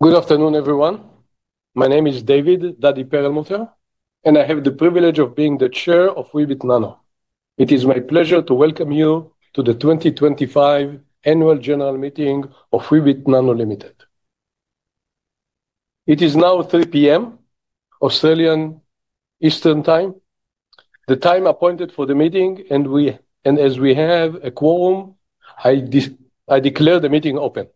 Good afternoon, everyone. My name is David (Dadi) Perlmutter, and I have the privilege of being the Chair of Weebit Nano. It is my pleasure to welcome you to the 2025 Annual General Meeting of Weebit Nano Limited. It is now 3:00 P.M. Australian Eastern Time, the time appointed for the meeting, and as we have a quorum, I declare the meeting open.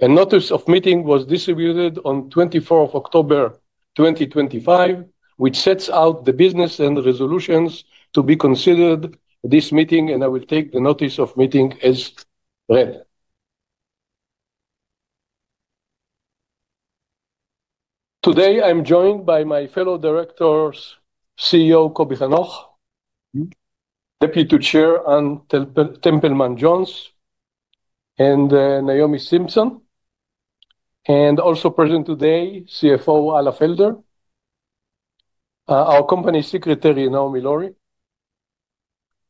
A notice of meeting was distributed on 24 October 2025, which sets out the business and resolutions to be considered this meeting, and I will take the notice of meeting as read. Today, I'm joined by my fellow diretors, CEO Coby Hanoch, Deputy Chair Anne Templeman-Jones, and Naomi Simpson, and also present today, CFO Alla Felder, our Company Secretary Naomi Laurie,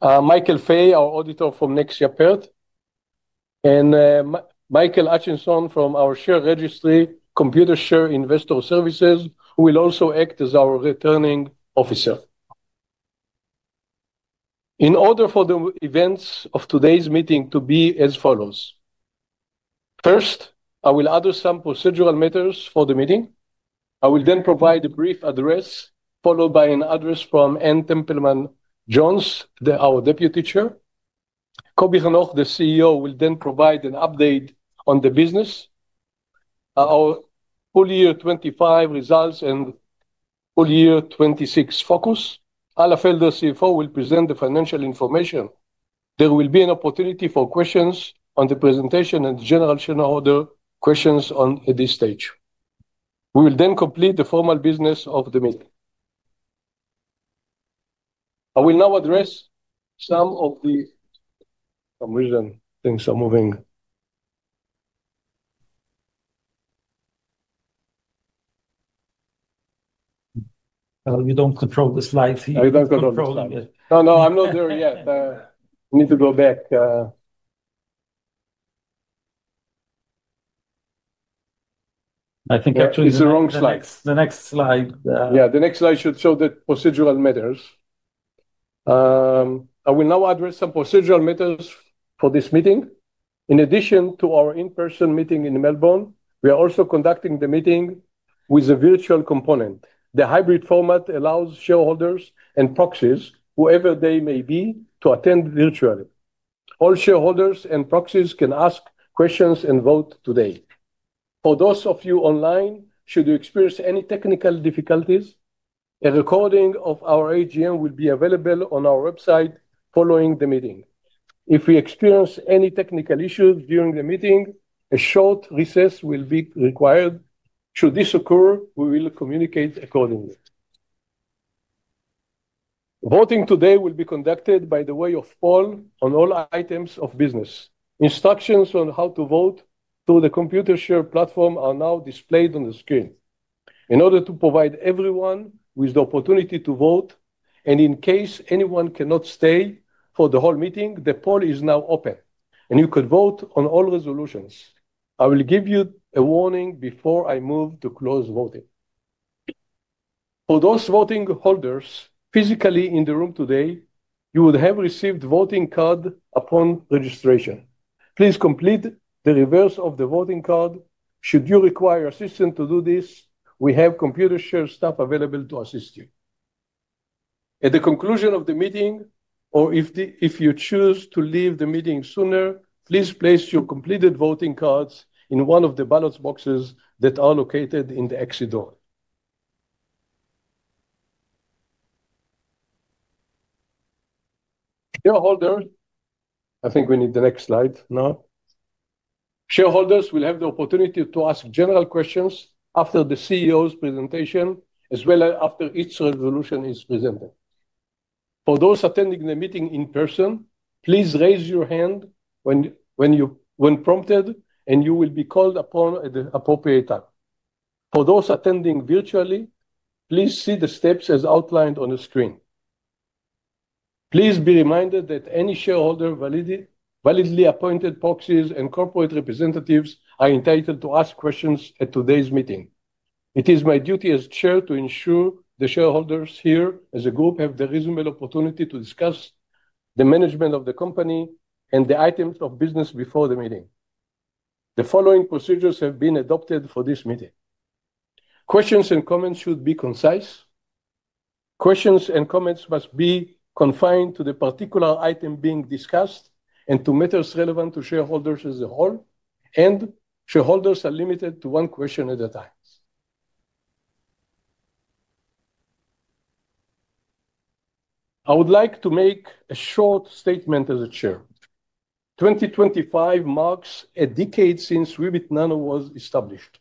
Michael Fay, our auditor from Nexia Perth, and Michael Atchison from our share registry, Computershare Investor Services, who will also act as our returning officer. In order, the events of today's meeting will be as follows: First, I will address some procedural matters for the meeting. I will then provide a brief address, followed by an address from Anne Templeman-Jones, our Deputy Chair. Coby Hanoch, the CEO, will then provide an update on the business, our full year 2025 results, and full year 2026 focus. Alla Felder, CFO, will present the financial information. There will be an opportunity for questions on the presentation and general shareholder questions on this stage. We will then complete the formal business of the meeting. I will now address some of the—some reason things are moving. You don't control the slides here. I don't control them. No, no, I'm not there yet. I need to go back. I think actually the next slide. The next slide. Yeah, the next slide should show the procedural matters. I will now address some procedural matters for this meeting. In addition to our in-person meeting in Melbourne, we are also conducting the meeting with a virtual component. The hybrid format allows shareholders and proxies, whoever they may be, to attend virtually. All shareholders and proxies can ask questions and vote today. For those of you online, should you experience any technical difficulties, a recording of our AGM will be available on our website following the meeting. If we experience any technical issues during the meeting, a short recess will be required. Should this occur, we will communicate accordingly. Voting today will be conducted by the way of poll on all items of business. Instructions on how to vote through the Computershare platform are now displayed on the screen. In order to provide everyone with the opportunity to vote, and in case anyone cannot stay for the whole meeting, the poll is now open, and you could vote on all resolutions. I will give you a warning before I move to close voting. For those voting holders physically in the room today, you would have received a voting card upon registration. Please complete the reverse of the voting card. Should you require assistance to do this, we have Computershare staff available to assist you. At the conclusion of the meeting, or if you choose to leave the meeting sooner, please place your completed voting cards in one of the ballot boxes that are located in the exit door. Shareholders, I think we need the next slide now. Shareholders will have the opportunity to ask general questions after the CEO's presentation, as well as after each resolution is presented. For those attending the meeting in person, please raise your hand when prompted, and you will be called upon at the appropriate time. For those attending virtually, please see the steps as outlined on the screen. Please be reminded that any shareholder, validly appointed proxies, and corporate representatives are entitled to ask questions at today's meeting. It is my duty as Chair to ensure the shareholders here as a group have the reasonable opportunity to discuss the management of the company and the items of business before the meeting. The following procedures have been adopted for this meeting. Questions and comments should be concise. Questions and comments must be confined to the particular item being discussed and to matters relevant to shareholders as a whole, and shareholders are limited to one question at a time. I would like to make a short statement as Chair. 2025 marks a decade since Weebit Nano was established.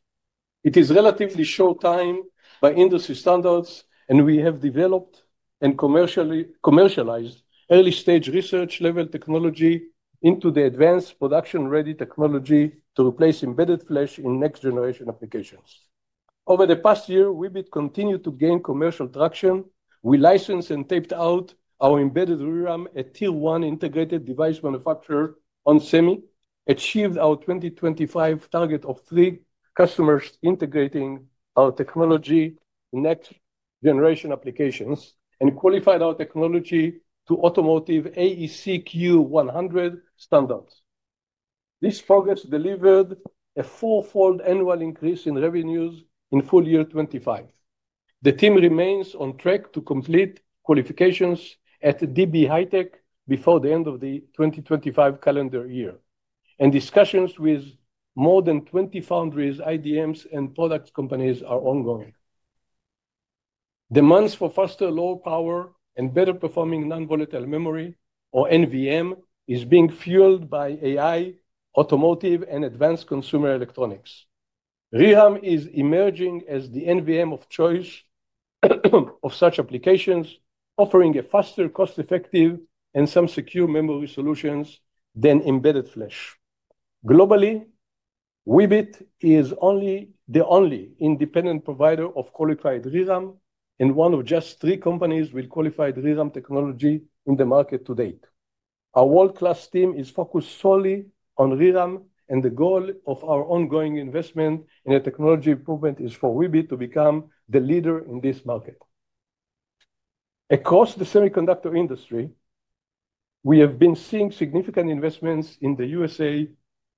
It is a relatively short time by industry standards, and we have developed and commercialized early-stage research-level technology into the advanced production-ready technology to replace embedded flash in next-generation applications. Over the past year, Weebit continued to gain commercial traction. We licensed and taped out our embedded ReRAM at Tier 1 integrated device manufacturer onsemi, achieved our 2025 target of three customers integrating our technology in next-generation applications, and qualified our technology to automotive AEC-Q100 standards. This progress delivered a four-fold annual increase in revenues in full year 2025. The team remains on track to complete qualifications at DB HiTek before the end of the 2025 calendar year, and discussions with more than 20 foundries, IDMs, and product companies are ongoing. Demands for faster, lower power, and better-performing non-volatile memory, or NVM, are being fueled by AI, automotive, and advanced consumer electronics. ReRAM is emerging as the NVM of choice for such applications, offering faster, cost-effective, and more secure memory solutions than embedded flash. Globally, Weebit is the only independent provider of qualified ReRAM, and one of just three companies with qualified ReRAM technology in the market to date. Our world-class team is focused solely on ReRAM, and the goal of our ongoing investment in technology improvement is for Weebit to become the leader in this market. Across the semiconductor industry, we have been seeing significant investments in the U.S.A.,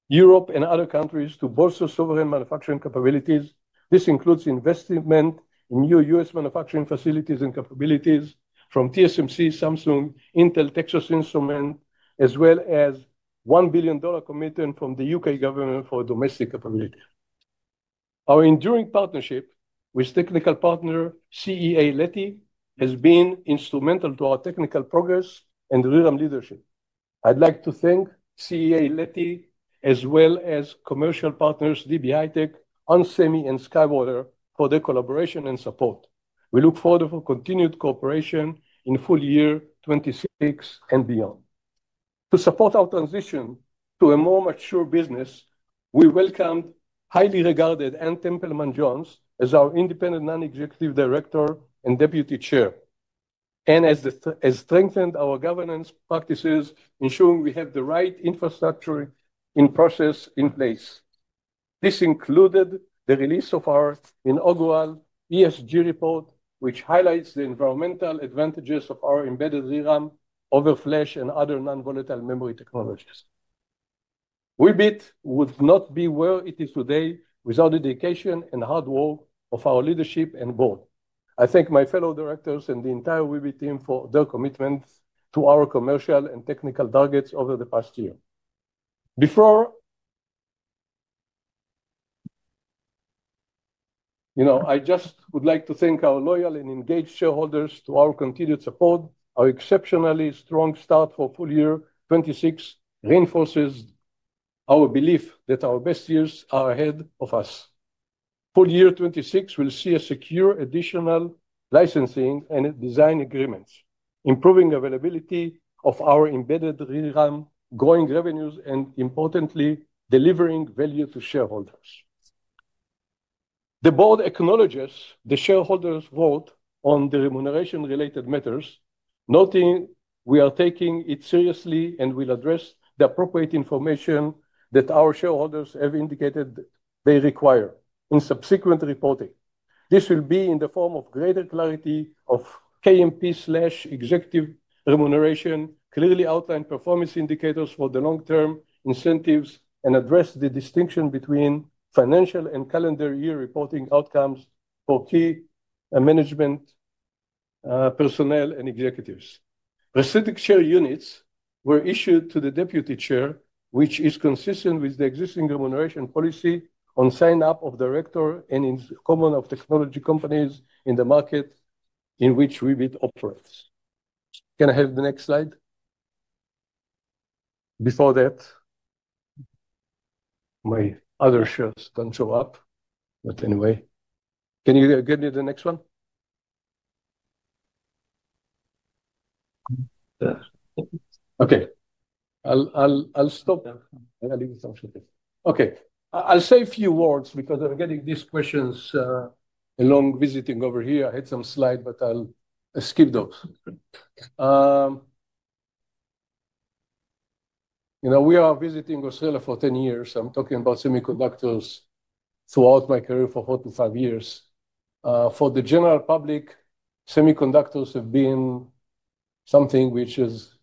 Europe, and other countries to bolster sovereign manufacturing capabilities. This includes investment in new U.S. manufacturing facilities and capabilities from TSMC, Samsung, Intel, Texas Instruments, as well as a $1 billion commitment from the U.K. government for domestic capability. Our enduring partnership with technical partner CEA-Leti has been instrumental to our technical progress and ReRAM leadership. I'd like to thank CEA-Leti, as well as commercial partners DB HiTek, onsemi, and SkyWater for their collaboration and support. We look forward to continued cooperation in full year 2026 and beyond. To support our transition to a more mature business, we welcomed highly regarded Anne Templeman-Jones as our independent Non-Executive Director and Deputy Chair, and strengthened our governance practices, ensuring we have the right infrastructure and process in place. This included the release of our inaugural ESG report, which highlights the environmental advantages of our embedded ReRAM over flash and other non-volatile memory technologies. Weebit would not be where it is today without the dedication and hard work of our leadership and board. I thank my fellow directors and the entire Weebit team for their commitment to our commercial and technical targets over the past year. Before, you know, I just would like to thank our loyal and engaged shareholders for our continued support. Our exceptionally strong start for full year 2026 reinforces our belief that our best years are ahead of us. Full year 2026 will see us secure additional licensing and design agreements, improving the availability of our embedded ReRAM, growing revenues, and importantly, delivering value to shareholders. The board acknowledges the shareholders' vote on the remuneration-related matters, noting we are taking it seriously and will address the appropriate information that our shareholders have indicated they require in subsequent reporting. This will be in the form of greater clarity of KMP/executive remuneration, clearly outlined performance indicators for the long-term incentives, and address the distinction between financial and calendar year reporting outcomes for key management personnel and executives. Pro-rata units were issued to the Deputy Chair, which is consistent with the existing remuneration policy on sign-up of director and in common of technology companies in the market in which Weebit operates. Can I have the next slide? Before that, my other shirts do not show up, but anyway. Can you get me the next one? Okay. I will stop. Okay. I will say a few words because I am getting these questions along visiting over here. I had some slides, but I will skip those. You know, we are visiting Australia for 10 years. I am talking about semiconductors throughout my career for 45 years. For the general public, semiconductors have been something which is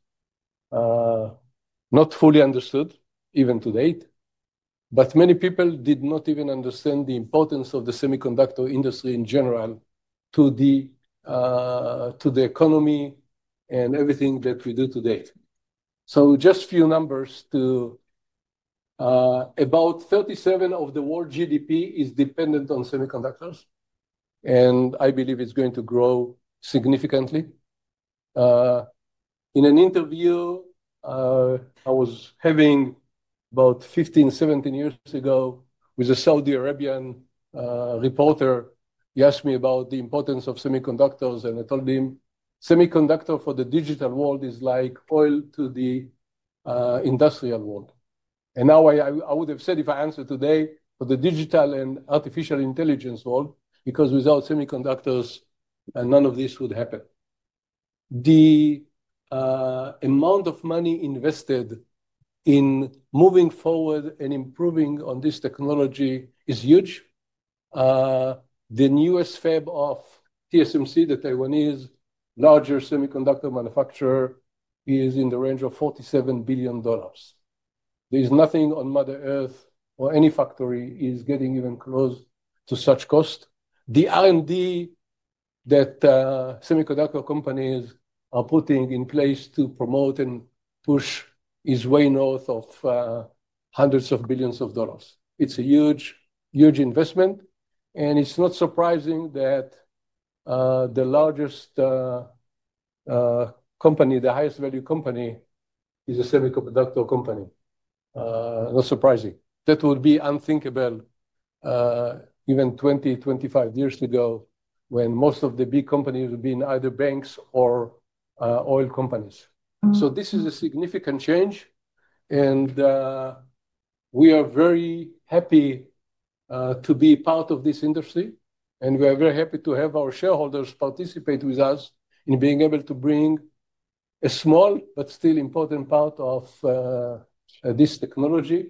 not fully understood even to date, but many people did not even understand the importance of the semiconductor industry in general to the economy and everything that we do to date. Just a few numbers: about 37% of the world GDP is dependent on semiconductors, and I believe it's going to grow significantly. In an interview I was having about 15-17 years ago with a Saudi Arabian reporter, he asked me about the importance of semiconductors, and I told him semiconductors for the digital world is like oil to the industrial world. Now I would have said if I answered today for the digital and artificial intelligence world, because without semiconductors, none of this would happen. The amount of money invested in moving forward and improving on this technology is huge. The newest fab of TSMC, the Taiwanese larger semiconductor manufacturer, is in the range of $47 billion. There is nothing on Mother Earth or any factory is getting even close to such cost. The R&D that semiconductor companies are putting in place to promote and push is way north of hundreds of billions of dollars. It's a huge, huge investment, and it's not surprising that the largest company, the highest value company, is a semiconductor company. Not surprising. That would be unthinkable even 20, 25 years ago when most of the big companies have been either banks or oil companies. This is a significant change, and we are very happy to be part of this industry, and we are very happy to have our shareholders participate with us in being able to bring a small but still important part of this technology.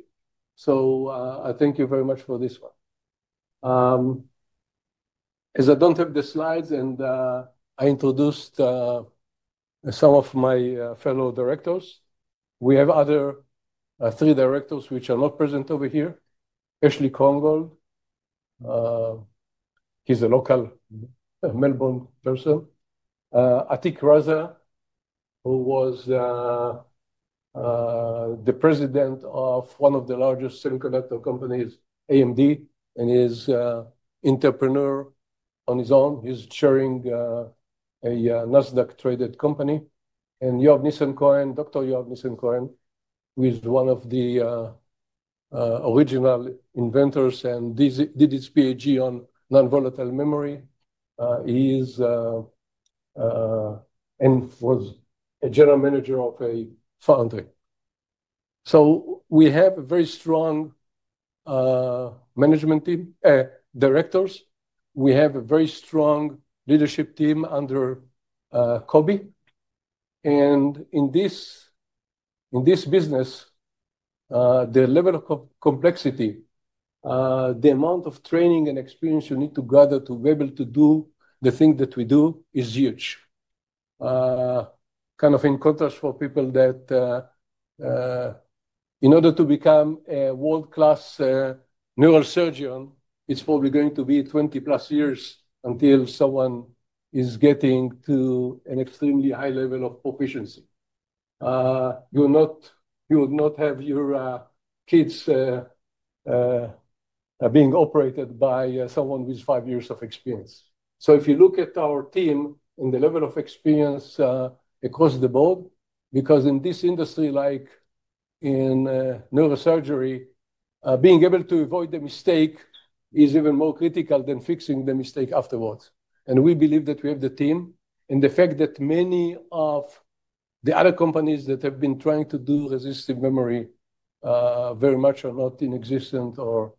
I thank you very much for this one. As I don't have the slides and I introduced some of my fellow directors, we have other three directors which are not present over here. Ashley Krongold, he's a local Melbourne person. Atiq Raza, who was the president of one of the largest semiconductor companies, AMD, and he is an entrepreneur on his own. He is chairing a Nasdaq-traded company. You have Nissan-Cohen, Dr. Yoav Nissan-Cohen, who is one of the original inventors and did his PhD on non-volatile memory. He is and was a general manager of a foundry. We have a very strong management team, directors. We have a very strong leadership team under Coby. In this business, the level of complexity, the amount of training and experience you need to gather to be able to do the thing that we do is huge. Kind of in contrast for people that in order to become a world-class neurosurgeon, it's probably going to be 20+ years until someone is getting to an extremely high level of proficiency. You would not have your kids being operated by someone with five years of experience. If you look at our team and the level of experience across the board, because in this industry, like in neurosurgery, being able to avoid the mistake is even more critical than fixing the mistake afterwards. We believe that we have the team. The fact that many of the other companies that have been trying to do resistive memory very much are not in existence or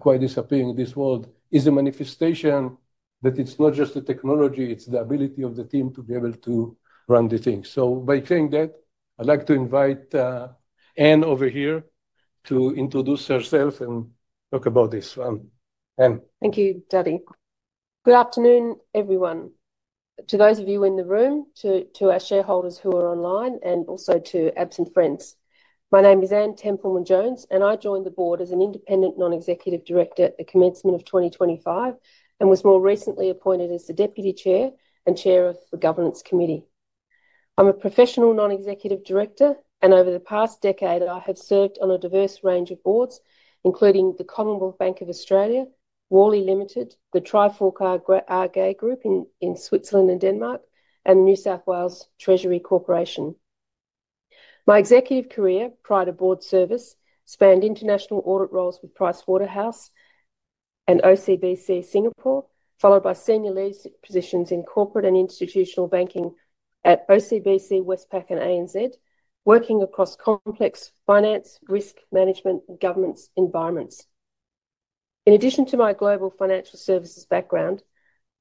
quite disappearing in this world is a manifestation that it's not just the technology, it's the ability of the team to be able to run the thing. By saying that, I'd like to invite Anne over here to introduce herself and talk about this one. Thank you, Dadi. Good afternoon, everyone. To those of you in the room, to our shareholders who are online, and also to absent friends. My name is Anne Templeman-Jones, and I joined the board as an independent non-executive director at the commencement of 2025, and was more recently appointed as the Deputy Chair and Chair of the Governance Committee. I'm a professional non-executive director, and over the past decade, I have served on a diverse range of boards, including the Commonwealth Bank of Australia, Woolworths Limited, the Trifork Holding AG Group in Switzerland and Denmark, and the New South Wales Treasury Corporation. My executive career prior to board service spanned international audit roles with PricewaterhouseCoopers and OCBC Singapore, followed by senior leadership positions in corporate and institutional banking at OCBC, Westpac, and ANZ, working across complex finance, risk management, and governance environments. In addition to my global financial services background,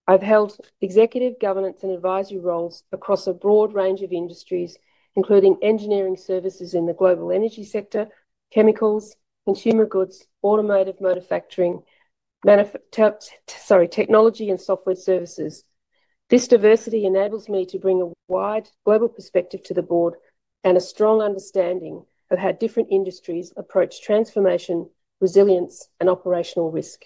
I've held executive governance and advisory roles across a broad range of industries, including engineering services in the global energy sector, chemicals, consumer goods, automotive manufacturing, sorry, technology and software services. This diversity enables me to bring a wide global perspective to the board and a strong understanding of how different industries approach transformation, resilience, and operational risk.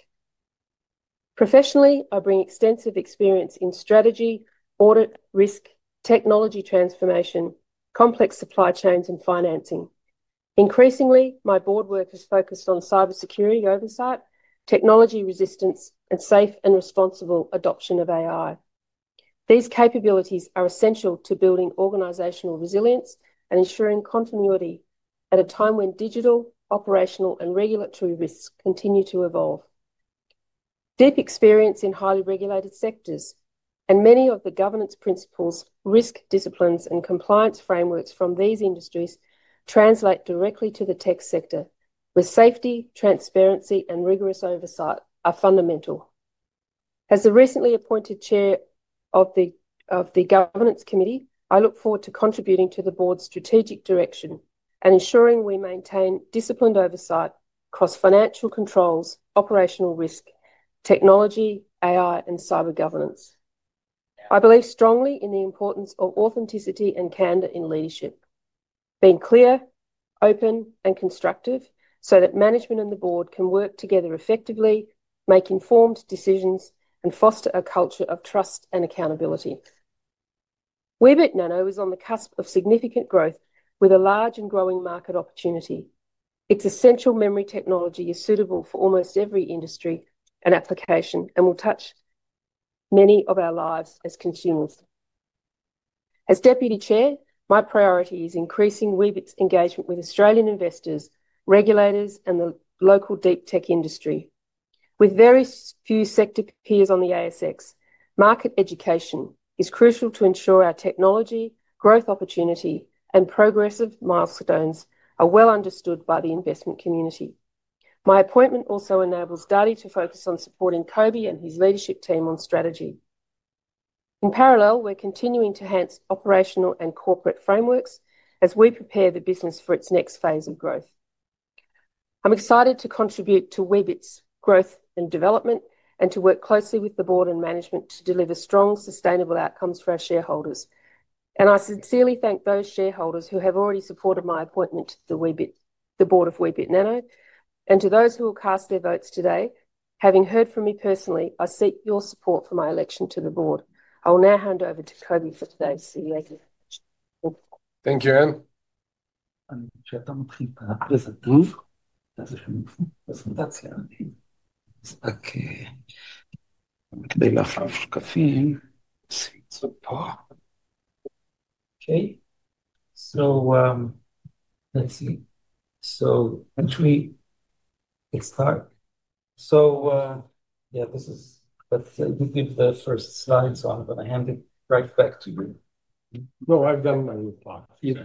Professionally, I bring extensive experience in strategy, audit, risk, technology transformation, complex supply chains, and financing. Increasingly, my board work has focused on cybersecurity oversight, technology resistance, and safe and responsible adoption of AI. These capabilities are essential to building organizational resilience and ensuring continuity at a time when digital, operational, and regulatory risks continue to evolve. Deep experience in highly regulated sectors and many of the governance principles, risk disciplines, and compliance frameworks from these industries translate directly to the tech sector, where safety, transparency, and rigorous oversight are fundamental. As the recently appointed Chair of the governance committee, I look forward to contributing to the board's strategic direction and ensuring we maintain disciplined oversight across financial controls, operational risk, technology, AI, and cyber governance. I believe strongly in the importance of authenticity and candor in leadership, being clear, open, and constructive so that management and the board can work together effectively, make informed decisions, and foster a culture of trust and accountability. Weebit Nano is on the cusp of significant growth with a large and growing market opportunity. Its essential memory technology is suitable for almost every industry and application and will touch many of our lives as consumers. As Deputy Chair, my priority is increasing Weebit's engagement with Australian investors, regulators, and the local deep tech industry. With very few sector peers on the ASX, market education is crucial to ensure our technology, growth opportunity, and progressive milestones are well understood by the investment community. My appointment also enables Dadi to focus on supporting Coby and his leadership team on strategy. In parallel, we're continuing to enhance operational and corporate frameworks as we prepare the business for its next phase of growth. I'm excited to contribute to Weebit's growth and development and to work closely with the board and management to deliver strong, sustainable outcomes for our shareholders. I sincerely thank those shareholders who have already supported my appointment to the board of Weebit Nano. To those who will cast their votes today, having heard from me personally, I seek your support for my election to the board. I will now hand over to Coby for today's CEO presentation. Thank you, Anne. Okay. Let me put it up. Okay. Let's see. Actually, let's start. Yeah, this is, let's give the first slide, so I'm going to hand it right back to you. No, I've done my part. You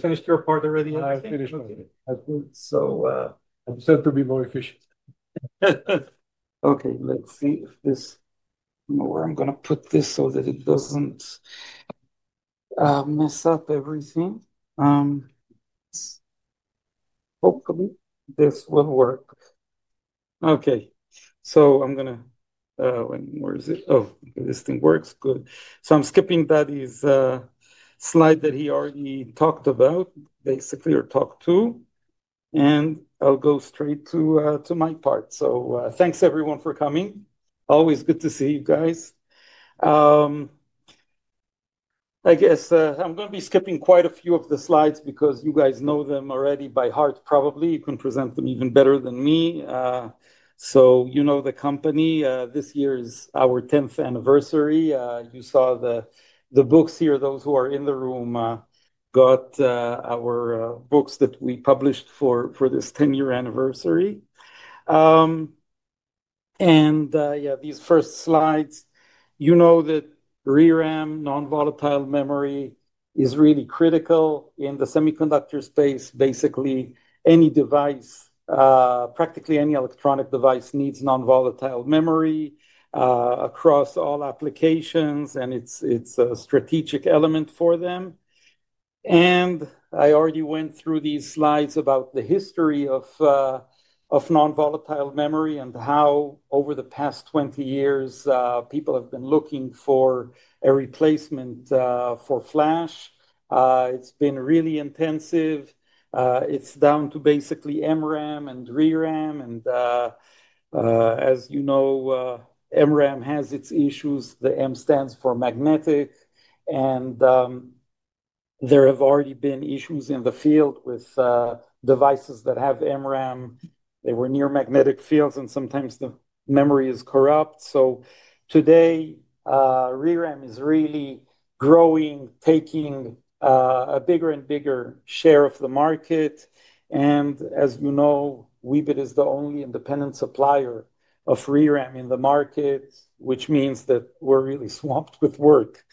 finished your part already? I finished my part. I just have to be more efficient. Let's see if this, where I'm going to put this so that it doesn't mess up everything. Hopefully, this will work. Okay, I'm going to, where is it? Oh, this thing works. Good. I'm skipping Dadi's slide that he already talked about, basically, or talked to. I'll go straight to my part. Thanks, everyone, for coming. Always good to see you guys. I guess I'm going to be skipping quite a few of the slides because you guys know them already by heart, probably. You can present them even better than me. You know the company. This year is our 10th anniversary. You saw the books here. Those who are in the room got our books that we published for this 10-year anniversary. Yeah, these first slides, you know that ReRAM, non-volatile memory, is really critical in the semiconductor space. Basically, any device, practically any electronic device needs non-volatile memory across all applications, and it's a strategic element for them. I already went through these slides about the history of non-volatile memory and how over the past 20 years, people have been looking for a replacement for flash. It's been really intensive. It's down to basically MRAM and ReRAM, and as you know, MRAM has its issues. The M stands for magnetic. There have already been issues in the field with devices that have MRAM. They were near magnetic fields, and sometimes the memory is corrupt. Today, ReRAM is really growing, taking a bigger and bigger share of the market. As you know, Weebit is the only independent supplier of ReRAM in the market, which means that we're really swamped with work.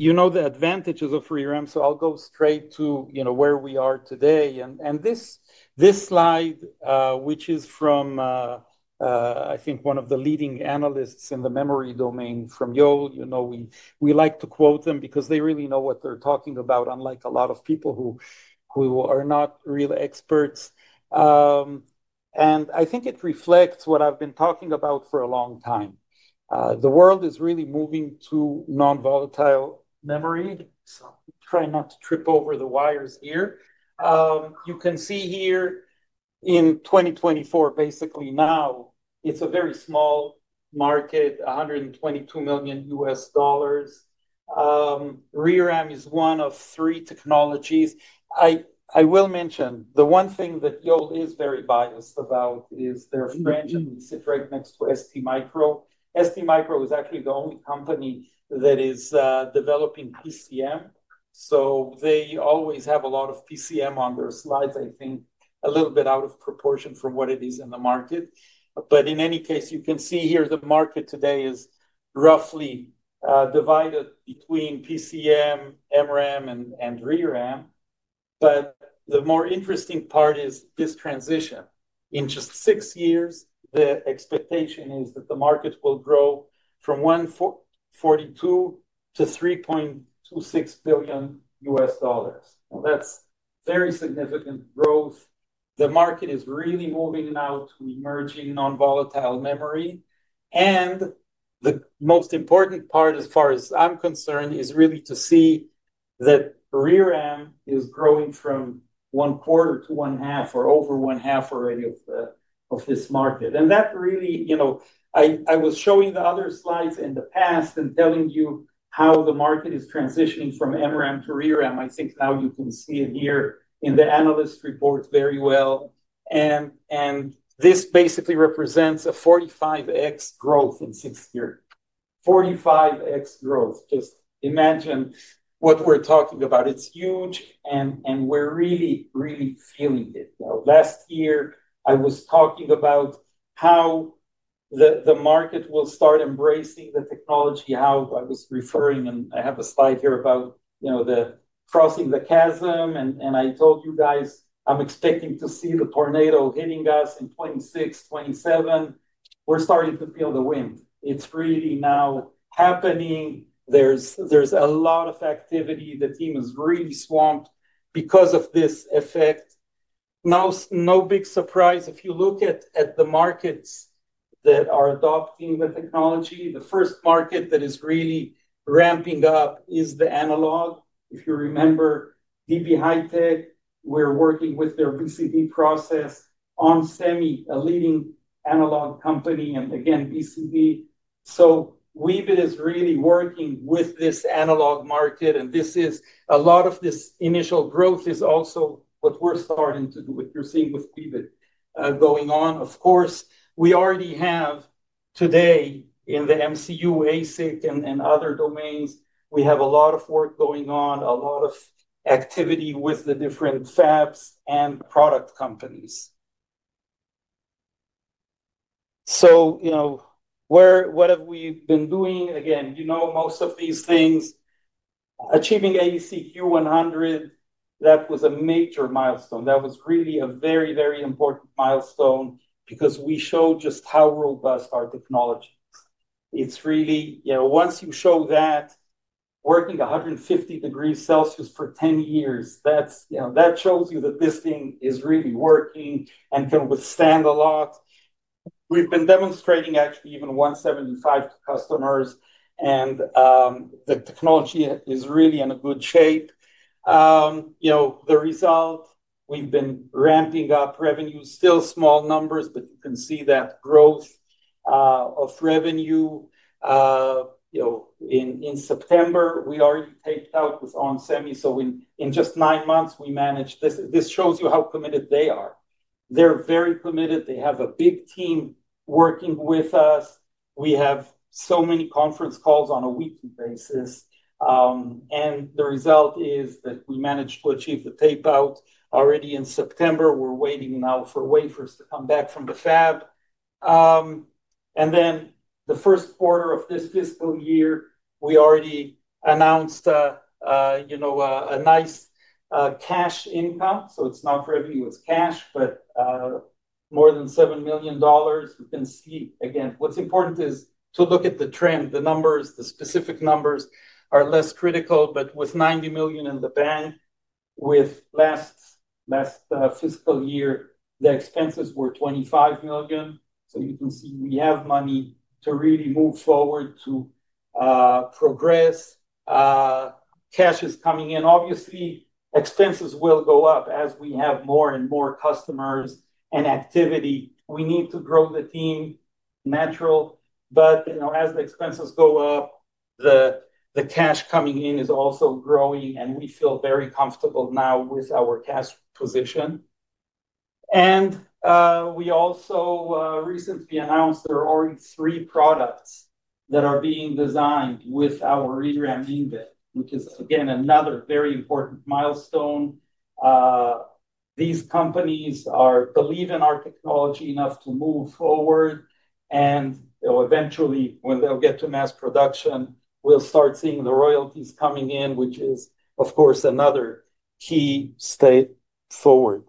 You know the advantages of ReRAM, so I'll go straight to where we are today. This slide, which is from, I think, one of the leading analysts in the memory domain from Yole, we like to quote them because they really know what they're talking about, unlike a lot of people who are not real experts. I think it reflects what I've been talking about for a long time. The world is really moving to non-volatile memory. I'll try not to trip over the wires here. You can see here in 2024, basically now, it's a very small market, $122 million. ReRAM is one of three technologies. I will mention the one thing that Yole is very biased about is their fringe and we sit right next to STMicroelectronics. STMicroelectronics is actually the only company that is developing PCM. They always have a lot of PCM on their slides, I think, a little bit out of proportion from what it is in the market. In any case, you can see here the market today is roughly divided between PCM, MRAM, and ReRAM. The more interesting part is this transition. In just six years, the expectation is that the market will grow from $142 million to $3.26 billion. That's very significant growth. The market is really moving now to emerging non-volatile memory. The most important part, as far as I'm concerned, is really to see that ReRAM is growing from one quarter to one half or over one half already of this market. That really, you know, I was showing the other slides in the past and telling you how the market is transitioning from MRAM to ReRAM. I think now you can see it here in the analyst report very well. This basically represents a 45x growth in six years. 45x growth. Just imagine what we're talking about. It's huge, and we're really, really feeling it. Last year, I was talking about how the market will start embracing the technology, how I was referring, and I have a slide here about crossing the chasm. I told you guys I'm expecting to see the tornado hitting us in 2026, 2027. We're starting to feel the wind. It's really now happening. There's a lot of activity. The team is really swamped because of this effect. No big surprise. If you look at the markets that are adopting the technology, the first market that is really ramping up is the analog. If you remember, DB HiTek, we're working with their BCD process, onsemi, a leading analog company. Again, BCD. Weebit is really working with this analog market. This is a lot of this initial growth is also what we're starting to do with, you're seeing with Weebit going on. Of course, we already have today in the MCU, ASIC, and other domains. We have a lot of work going on, a lot of activity with the different fabs and product companies. What have we been doing? Again, you know most of these things. Achieving AEC-Q100, that was a major milestone. That was really a very, very important milestone because we showed just how robust our technology is. It's really, you know, once you show that working 150°C for 10 years, that shows you that this thing is really working and can withstand a lot. We've been demonstrating actually even 175 to customers, and the technology is really in a good shape. You know, the result, we've been ramping up revenue, still small numbers, but you can see that growth of revenue. In September, we already taped out with onsemi. In just nine months, we managed this. This shows you how committed they are. They're very committed. They have a big team working with us. We have so many conference calls on a weekly basis. The result is that we managed to achieve the tape out already in September. We're waiting now for wafers to come back from the fab. In the first quarter of this fiscal year, we already announced a nice cash income. It's not revenue, it's cash, but more than $7 million. You can see, again, what's important is to look at the trend. The numbers, the specific numbers are less critical, but with $90 million in the bank, with last fiscal year, the expenses were $25 million. You can see we have money to really move forward to progress. Cash is coming in. Obviously, expenses will go up as we have more and more customers and activity. We need to grow the team, natural. As the expenses go up, the cash coming in is also growing, and we feel very comfortable now with our cash position. We also recently announced there are already three products that are being designed with our ReRAM Nanotech, which is, again, another very important milestone. These companies believe in our technology enough to move forward. Eventually, when they'll get to mass production, we'll start seeing the royalties coming in, which is, of course, another key step forward.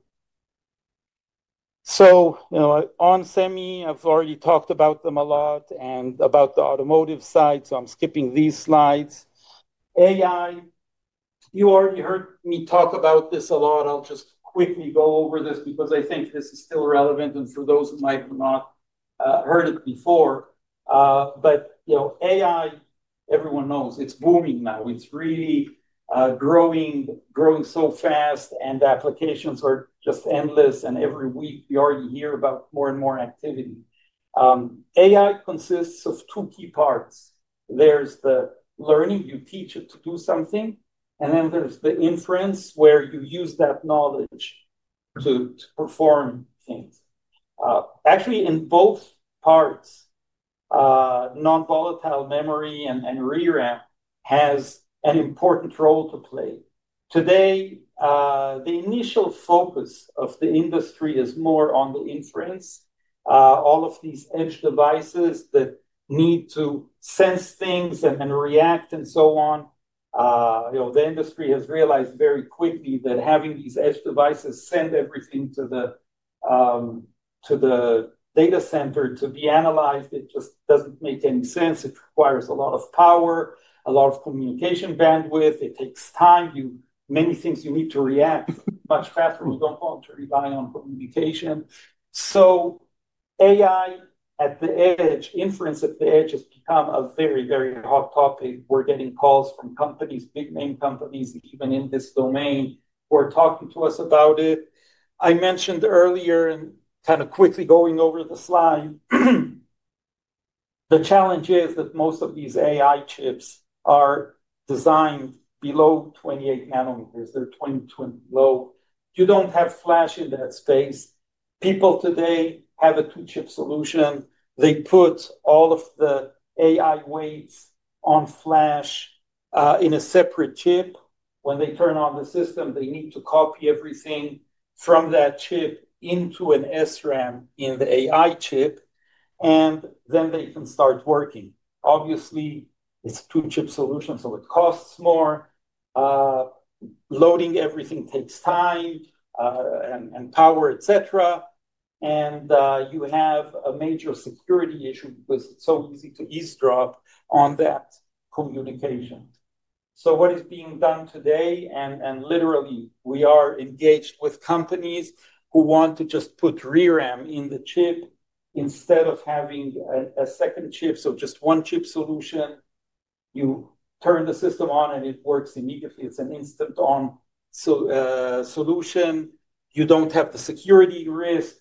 Onsemi, I've already talked about them a lot and about the automotive side, so I'm skipping these slides. AI, you already heard me talk about this a lot. I'll just quickly go over this because I think this is still relevant and for those who might have not heard it before. AI, everyone knows it's booming now. It's really growing so fast and applications are just endless. Every week, we already hear about more and more activity. AI consists of two key parts. There's the learning, you teach it to do something. Then there's the inference where you use that knowledge to perform things. Actually, in both parts, non-volatile memory and ReRAM have an important role to play. Today, the initial focus of the industry is more on the inference. All of these edge devices that need to sense things and react and so on. The industry has realized very quickly that having these edge devices send everything to the data center to be analyzed, it just doesn't make any sense. It requires a lot of power, a lot of communication bandwidth. It takes time. Many things you need to react much faster; you don't want to rely on communication. AI at the edge, inference at the edge has become a very, very hot topic. We're getting calls from companies, big name companies, even in this domain, who are talking to us about it. I mentioned earlier and kind of quickly going over the slide, the challenge is that most of these AI chips are designed below 28 nm. They're 2020 low. You don't have flash in that space. People today have a two-chip solution. They put all of the AI weights on flash in a separate chip. When they turn on the system, they need to copy everything from that chip into an SRAM in the AI chip, and then they can start working. Obviously, it's a two-chip solution, so it costs more. Loading everything takes time and power, etc. You have a major security issue because it's so easy to eavesdrop on that communication. What is being done today, and literally, we are engaged with companies who want to just put ReRAM in the chip instead of having a second chip. Just one chip solution. You turn the system on and it works immediately. It's an instant-on solution. You don't have the security risk.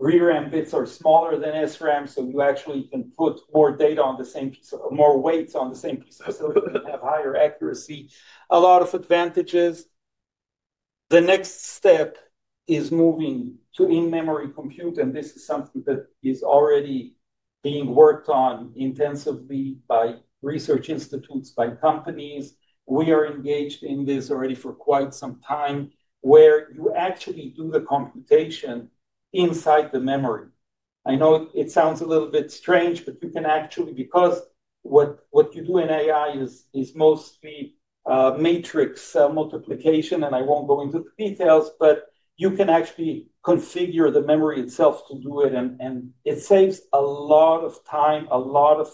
ReRAM bits are smaller than SRAM, so you actually can put more data on the same piece, more weights on the same piece, so you can have higher accuracy. A lot of advantages. The next step is moving to in-memory compute, and this is something that is already being worked on intensively by research institutes, by companies. We are engaged in this already for quite some time where you actually do the computation inside the memory. I know it sounds a little bit strange, but you can actually, because what you do in AI is mostly matrix multiplication, and I won't go into the details, but you can actually configure the memory itself to do it. It saves a lot of time, a lot of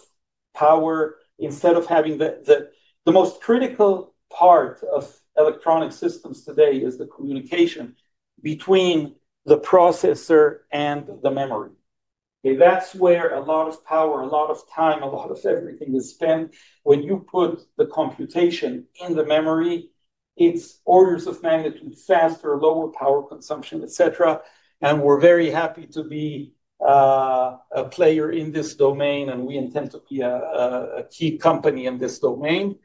power. Instead of having the most critical part of electronic systems today be the communication between the processor and the memory, that's where a lot of power, a lot of time, a lot of everything is spent. When you put the computation in the memory, it's orders of magnitude faster, lower power consumption, etc. We are very happy to be a player in this domain, and we intend to be a key company in this domain.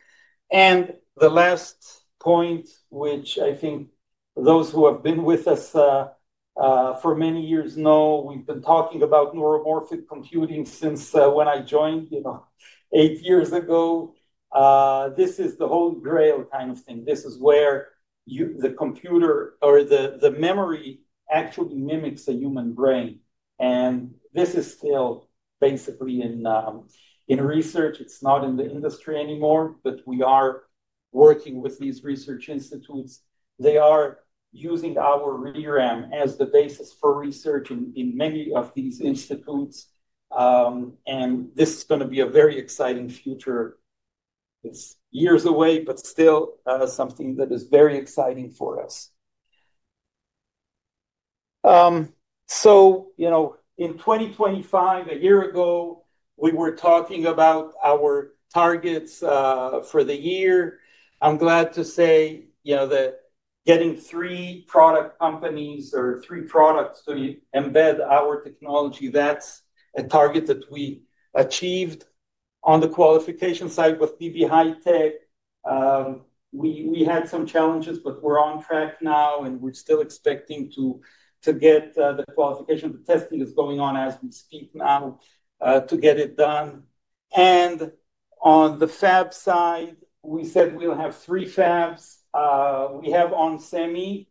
The last point, which I think those who have been with us for many years know, we've been talking about neuromorphic computing since when I joined eight years ago. This is the Holy Grail kind of thing. This is where the computer or the memory actually mimics a human brain. This is still basically in research. It's not in the industry anymore, but we are working with these research institutes. They are using our ReRAM as the basis for research in many of these institutes. This is going to be a very exciting future. It's years away, but still something that is very exciting for us. In 2025, a year ago, we were talking about our targets for the year. I'm glad to say that getting three product companies or three products to embed our technology, that's a target that we achieved on the qualification side with DB HiTek. We had some challenges, but we're on track now, and we're still expecting to get the qualification. The testing is going on as we speak now to get it done. On the fab side, we said we'll have three fabs. We have onsemi.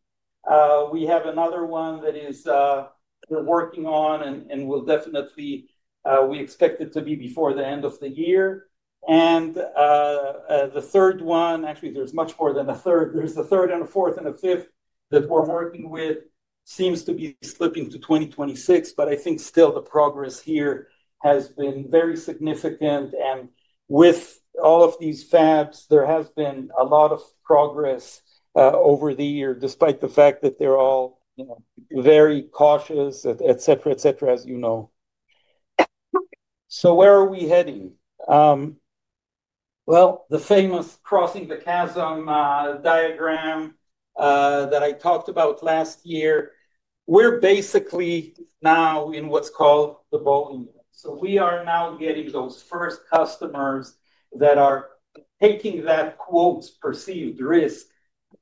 We have another one that we're working on, and we definitely expect it to be before the end of the year. The third one, actually, there's much more than a third. There's a third and a fourth and a fifth that we're working with. Seems to be slipping to 2026, but I think still the progress here has been very significant. With all of these fabs, there has been a lot of progress over the year, despite the fact that they're all very cautious, etc., etc., as you know. Where are we heading? The famous crossing the chasm diagram that I talked about last year, we're basically now in what's called the ball. We are now getting those first customers that are taking that quotes perceived risk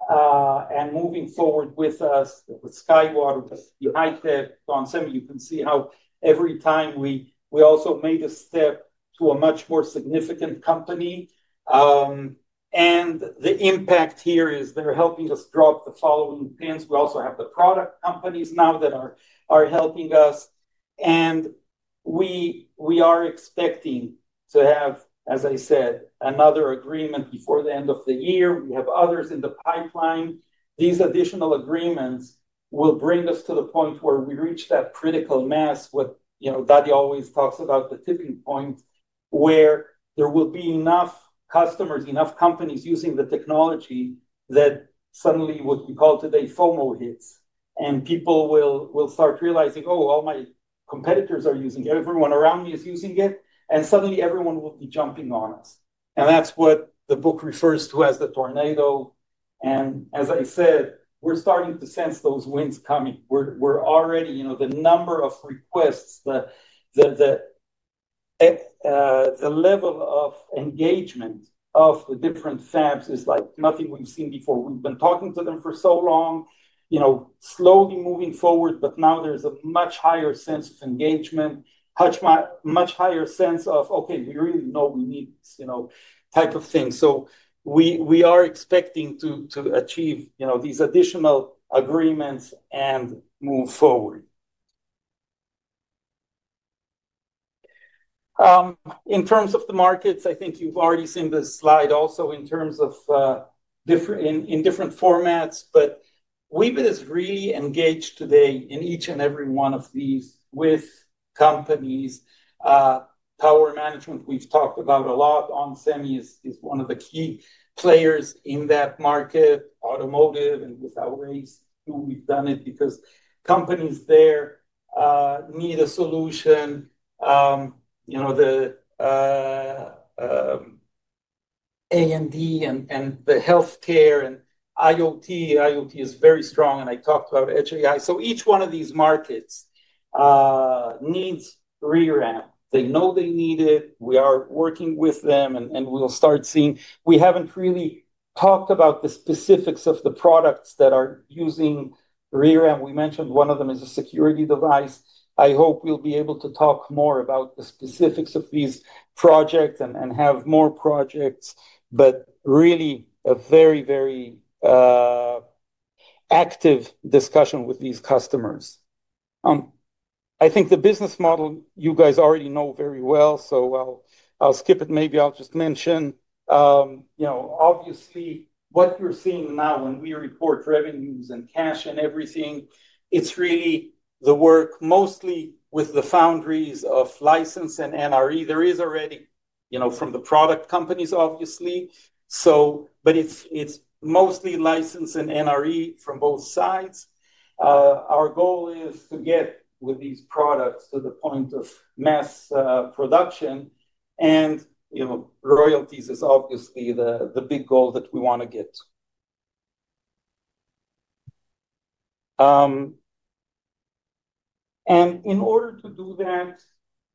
and moving forward with us, with SkyWater, with DB HiTek, onsemi. You can see how every time we also made a step to a much more significant company. The impact here is they're helping us drop the following pins. We also have the product companies now that are helping us. We are expecting to have, as I said, another agreement before the end of the year. We have others in the pipeline. These additional agreements will bring us to the point where we reach that critical mass. Dadi always talks about the tipping point where there will be enough customers, enough companies using the technology that suddenly what we call today FOMO hits. People will start realizing, "Oh, all my competitors are using it. Everyone around me is using it." Suddenly everyone will be jumping on us. That is what the book refers to as the tornado. As I said, we are starting to sense those winds coming. Already, the number of requests, the level of engagement of the different fabs is like nothing we have seen before. We've been talking to them for so long, slowly moving forward, but now there's a much higher sense of engagement, much higher sense of, "Okay, we really know we need this type of thing." We are expecting to achieve these additional agreements and move forward. In terms of the markets, I think you've already seen the slide also in terms of different formats, but we've been really engaged today in each and every one of these with companies. Power management, we've talked about a lot. onsemi is one of the key players in that market, automotive, and with our ways who we've done it because companies there need a solution. The A&D and the healthcare and IoT, IoT is very strong, and I talked about edge AI. Each one of these markets needs ReRAM. They know they need it. We are working with them, and we'll start seeing. We haven't really talked about the specifics of the products that are using ReRAM. We mentioned one of them is a security device. I hope we'll be able to talk more about the specifics of these projects and have more projects, but really a very, very active discussion with these customers. I think the business model you guys already know very well, so I'll skip it. Maybe I'll just mention, obviously, what you're seeing now when we report revenues and cash and everything, it's really the work mostly with the foundries of license and NRE. There is already from the product companies, obviously. But it's mostly license and NRE from both sides. Our goal is to get with these products to the point of mass production. Royalties is obviously the big goal that we want to get. In order to do that,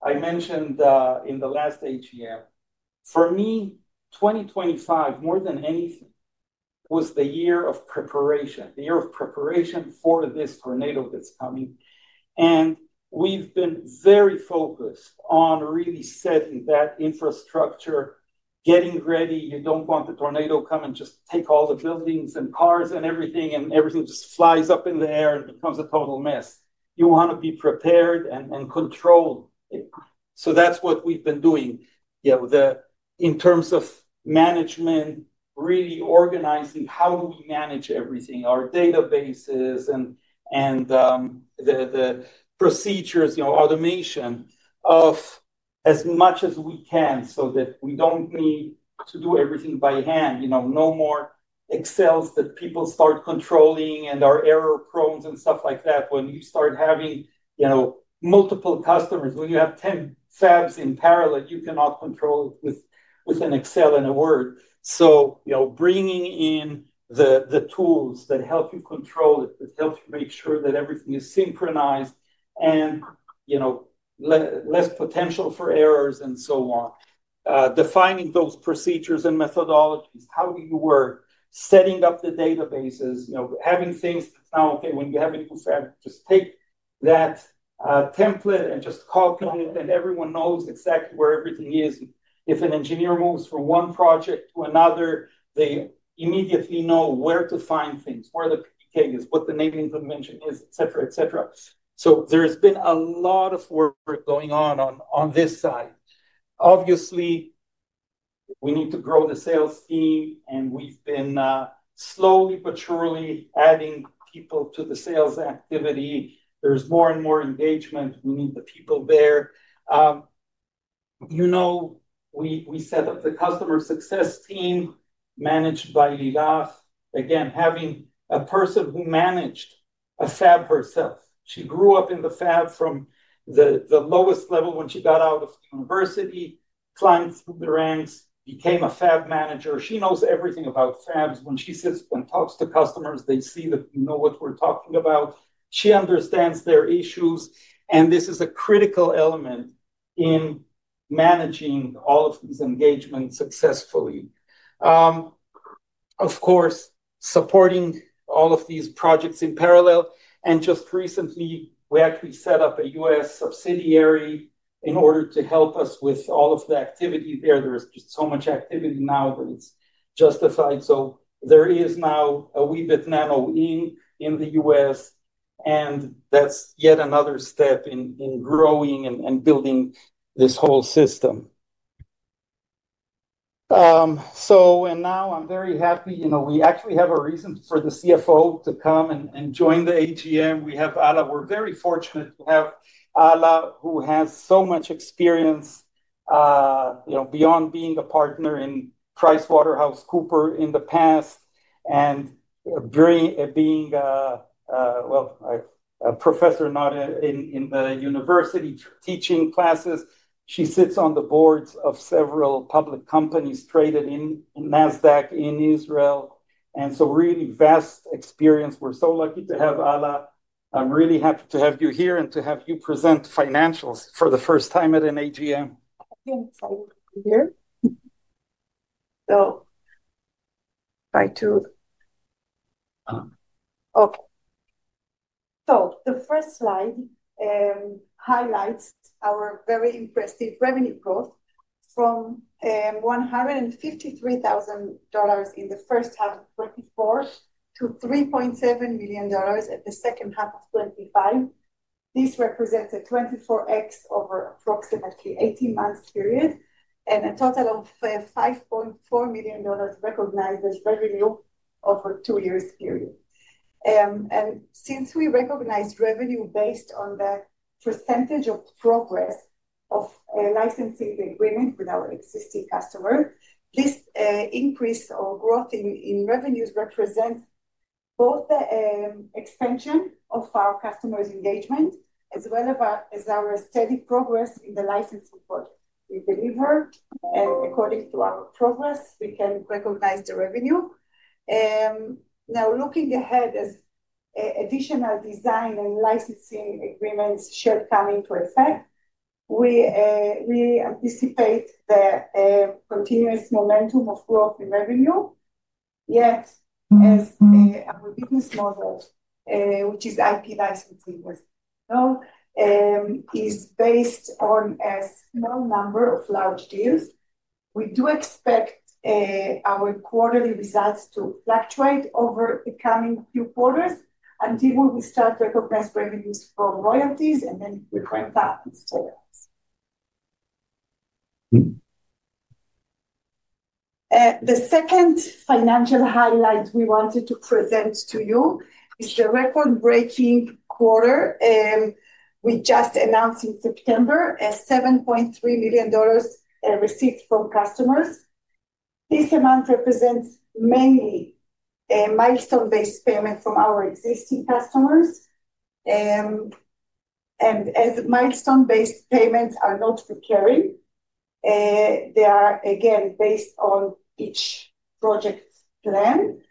I mentioned in the last AGM, for me, 2025, more than anything, was the year of preparation, the year of preparation for this tornado that's coming. We have been very focused on really setting that infrastructure, getting ready. You do not want the tornado to come and just take all the buildings and cars and everything, and everything just flies up in the air and becomes a total mess. You want to be prepared and controlled. That is what we have been doing. In terms of management, really organizing, how do we manage everything, our databases and the procedures, automation of as much as we can so that we do not need to do everything by hand, no more Excels that people start controlling and are error-prone and stuff like that. When you start having multiple customers, when you have 10 fabs in parallel, you cannot control it with an Excel and a Word. Bringing in the tools that help you control it, that help you make sure that everything is synchronized and less potential for errors and so on. Defining those procedures and methodologies, how do you work, setting up the databases, having things that's now okay. When you have a new fab, just take that template and just copy it, and everyone knows exactly where everything is. If an engineer moves from one project to another, they immediately know where to find things, where the PK is, what the naming convention is, etc., etc. There has been a lot of work going on on this side. Obviously, we need to grow the sales team, and we've been slowly but surely adding people to the sales activity. There's more and more engagement. We need the people there. We set up the customer success team managed by Lilach. Again, having a person who managed a fab herself. She grew up in the fab from the lowest level when she got out of university, climbed through the ranks, became a fab manager. She knows everything about fabs. When she sits and talks to customers, they see that they know what we're talking about. She understands their issues, and this is a critical element in managing all of these engagements successfully. Of course, supporting all of these projects in parallel. Just recently, we actually set up a U.S. subsidiary in order to help us with all of the activity there. There is just so much activity now that it's justified. There is now a Weebit Nano in the U.S., and that's yet another step in growing and building this whole system. Now I'm very happy. We actually have a reason for the CFO to come and join the AGM. We have Alla. We're very fortunate to have Alla, who has so much experience beyond being a partner in PricewaterhouseCoopers in the past and being, well, a professor not in the university teaching classes. She sits on the boards of several public companies traded in NASDAQ in Israel. Really vast experience. We're so lucky to have Alla. I'm really happy to have you here and to have you present financials for the first time at an AGM. Try to. Okay. The first slide highlights our very impressive revenue growth from $153,000 in the first half of 2024 to $3.7 million at the second half of 2025. This represents a 24x over approximately an 18-month period and a total of $5.4 million recognized as revenue over a two-year period. Since we recognize revenue based on the percentage of progress of licensing the agreement with our existing customers, this increase or growth in revenues represents both the expansion of our customers' engagement as well as our steady progress in the licensing projects we deliver. According to our progress, we can recognize the revenue. Now, looking ahead as additional design and licensing agreements shall come into effect, we anticipate the continuous momentum of growth in revenue. Yet, as our business model, which is IP licensing, is based on a small number of large deals, we do expect our quarterly results to fluctuate over the coming few quarters until we start to recognize revenues from royalties and then we ramp up in sales. The second financial highlight we wanted to present to you is the record-breaking quarter we just announced in September, a $7.3 million receipt from customers. This amount represents mainly milestone-based payment from our existing customers. As milestone-based payments are not recurring, they are, again, based on each project plan.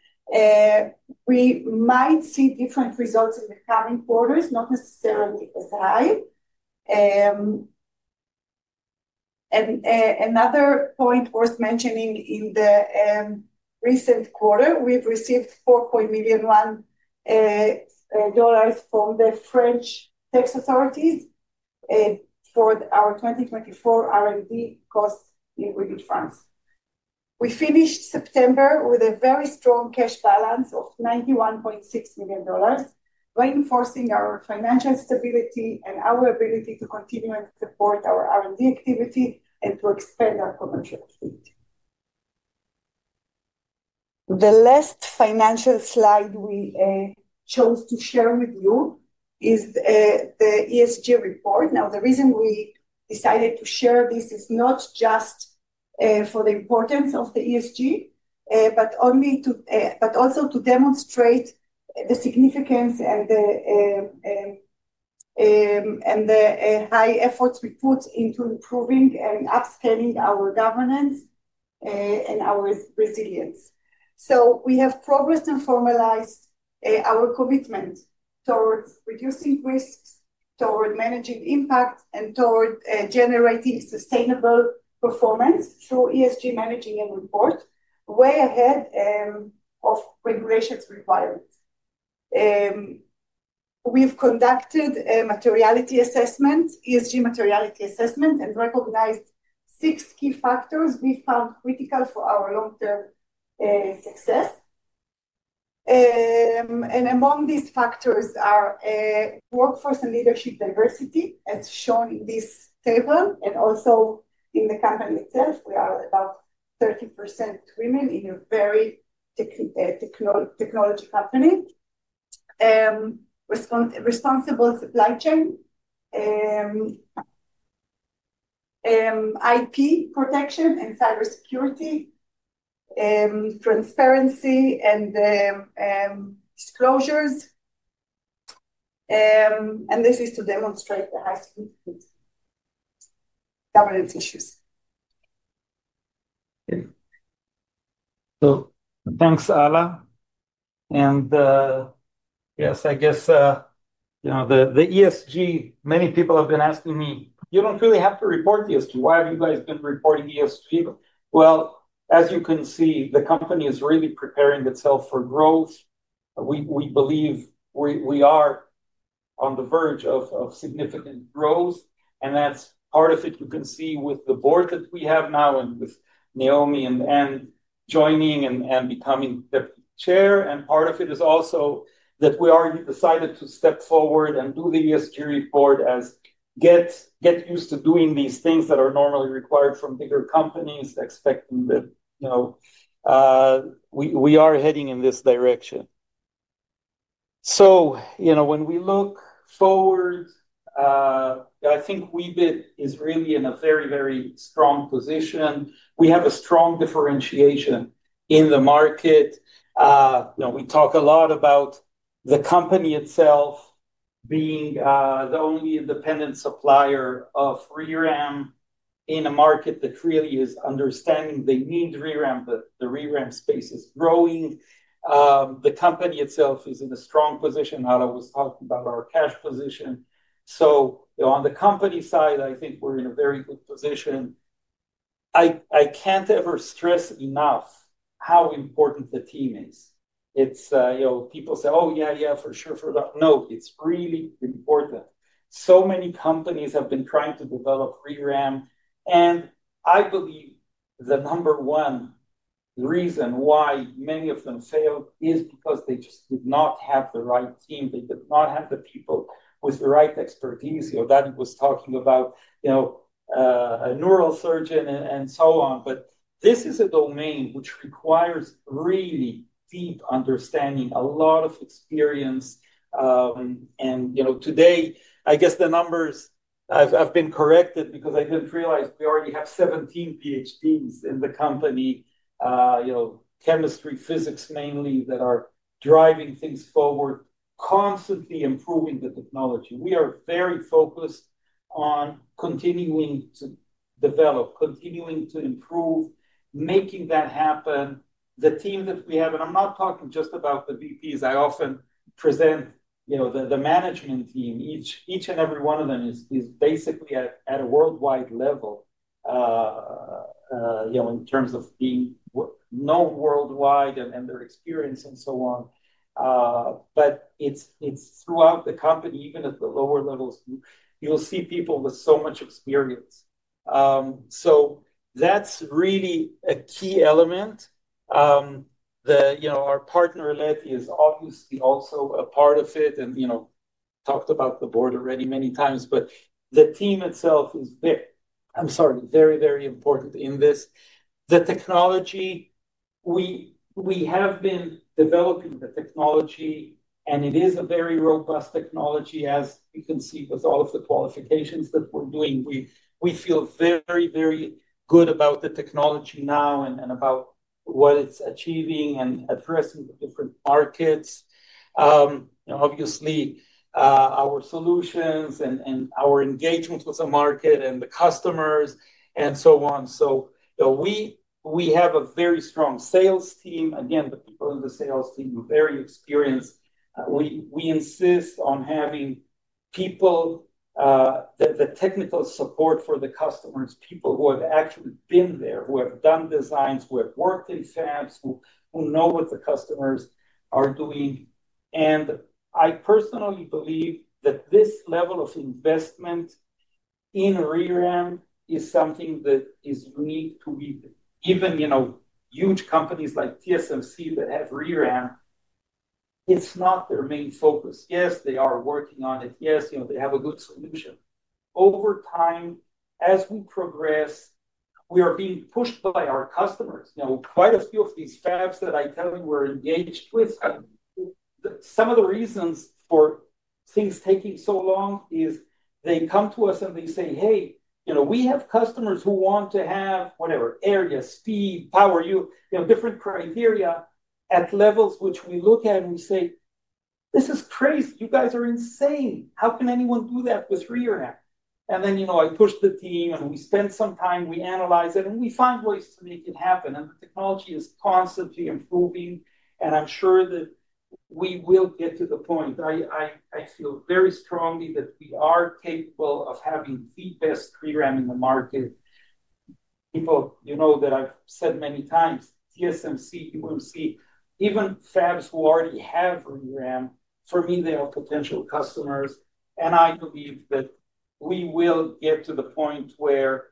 We might see different results in the coming quarters, not necessarily as high. Another point worth mentioning in the recent quarter, we've received $4.1 million from the French tax authorities for our 2024 R&D costs in Weebit France. We finished September with a very strong cash balance of $91.6 million, reinforcing our financial stability and our ability to continue and support our R&D activity and to expand our commercial activity. The last financial slide we chose to share with you is the ESG report. The reason we decided to share this is not just for the importance of the ESG, but also to demonstrate the significance and the high efforts we put into improving and upscaling our governance and our resilience. We have progressed and formalized our commitment towards reducing risks, toward managing impact, and toward generating sustainable performance through ESG managing and report way ahead of regulations requirements. We have conducted materiality assessment, ESG materiality assessment, and recognized six key factors we found critical for our long-term success. Among these factors are workforce and leadership diversity, as shown in this table, and also in the company itself. We are about 30% women in a very technology company, responsible supply chain, IP protection and cybersecurity, transparency, and disclosures. This is to demonstrate the high significance governance issues. Thanks, Alla. Yes, I guess the ESG, many people have been asking me, "You do not really have to report ESG. Why have you guys been reporting ESG?" As you can see, the company is really preparing itself for growth. We believe we are on the verge of significant growth. That is part of it. You can see with the board that we have now and with Naomi and Anne joining and becoming the chair. Part of it is also that we decided to step forward and do the ESG report as we get used to doing these things that are normally required from bigger companies, expecting that we are heading in this direction. When we look forward, I think Weebit is really in a very, very strong position. We have a strong differentiation in the market. We talk a lot about the company itself being the only independent supplier of ReRAM in a market that really is understanding they need ReRAM, but the ReRAM space is growing. The company itself is in a strong position. Alla was talking about our cash position. On the company side, I think we are in a very good position. I cannot ever stress enough how important the team is. People say, "Oh, yeah, yeah, for sure, for sure." No, it is really important. Many companies have been trying to develop ReRAM. I believe the number one reason why many of them failed is because they just did not have the right team. They did not have the people with the right expertise. Danny was talking about a neural surgeon and so on. This is a domain which requires really deep understanding, a lot of experience. Today, I guess the numbers have been corrected because I did not realize we already have 17 PhDs in the company, chemistry, physics mainly, that are driving things forward, constantly improving the technology. We are very focused on continuing to develop, continuing to improve, making that happen. The team that we have, and I am not talking just about the VPs. I often present the management team. Each and every one of them is basically at a worldwide level in terms of being known worldwide and their experience and so on. It is throughout the company, even at the lower levels, you'll see people with so much experience. That is really a key element. Our partner Leti is obviously also a part of it and talked about the board already many times, but the team itself is very, I'm sorry, very, very important in this. The technology, we have been developing the technology, and it is a very robust technology, as you can see with all of the qualifications that we're doing. We feel very, very good about the technology now and about what it's achieving and addressing the different markets. Obviously, our solutions and our engagement with the market and the customers and so on. We have a very strong sales team. Again, the people in the sales team are very experienced. We insist on having people, the technical support for the customers, people who have actually been there, who have done designs, who have worked in fabs, who know what the customers are doing. I personally believe that this level of investment in ReRAM is something that is unique to Weebit Nano. Even huge companies like TSMC that have ReRAM, it is not their main focus. Yes, they are working on it. Yes, they have a good solution. Over time, as we progress, we are being pushed by our customers. Quite a few of these fabs that I tell you we are engaged with, some of the reasons for things taking so long is they come to us and they say, "Hey, we have customers who want to have whatever area, speed, power, different criteria at levels which we look at and we say, 'This is crazy. You guys are insane. How can anyone do that with ReRAM?'" I push the team and we spend some time, we analyze it, and we find ways to make it happen. The technology is constantly improving. I am sure that we will get to the point. I feel very strongly that we are capable of having the best ReRAM in the market. People that I have said many times, TSMC, UMC, even fabs who already have ReRAM, for me, they are potential customers. I believe that we will get to the point where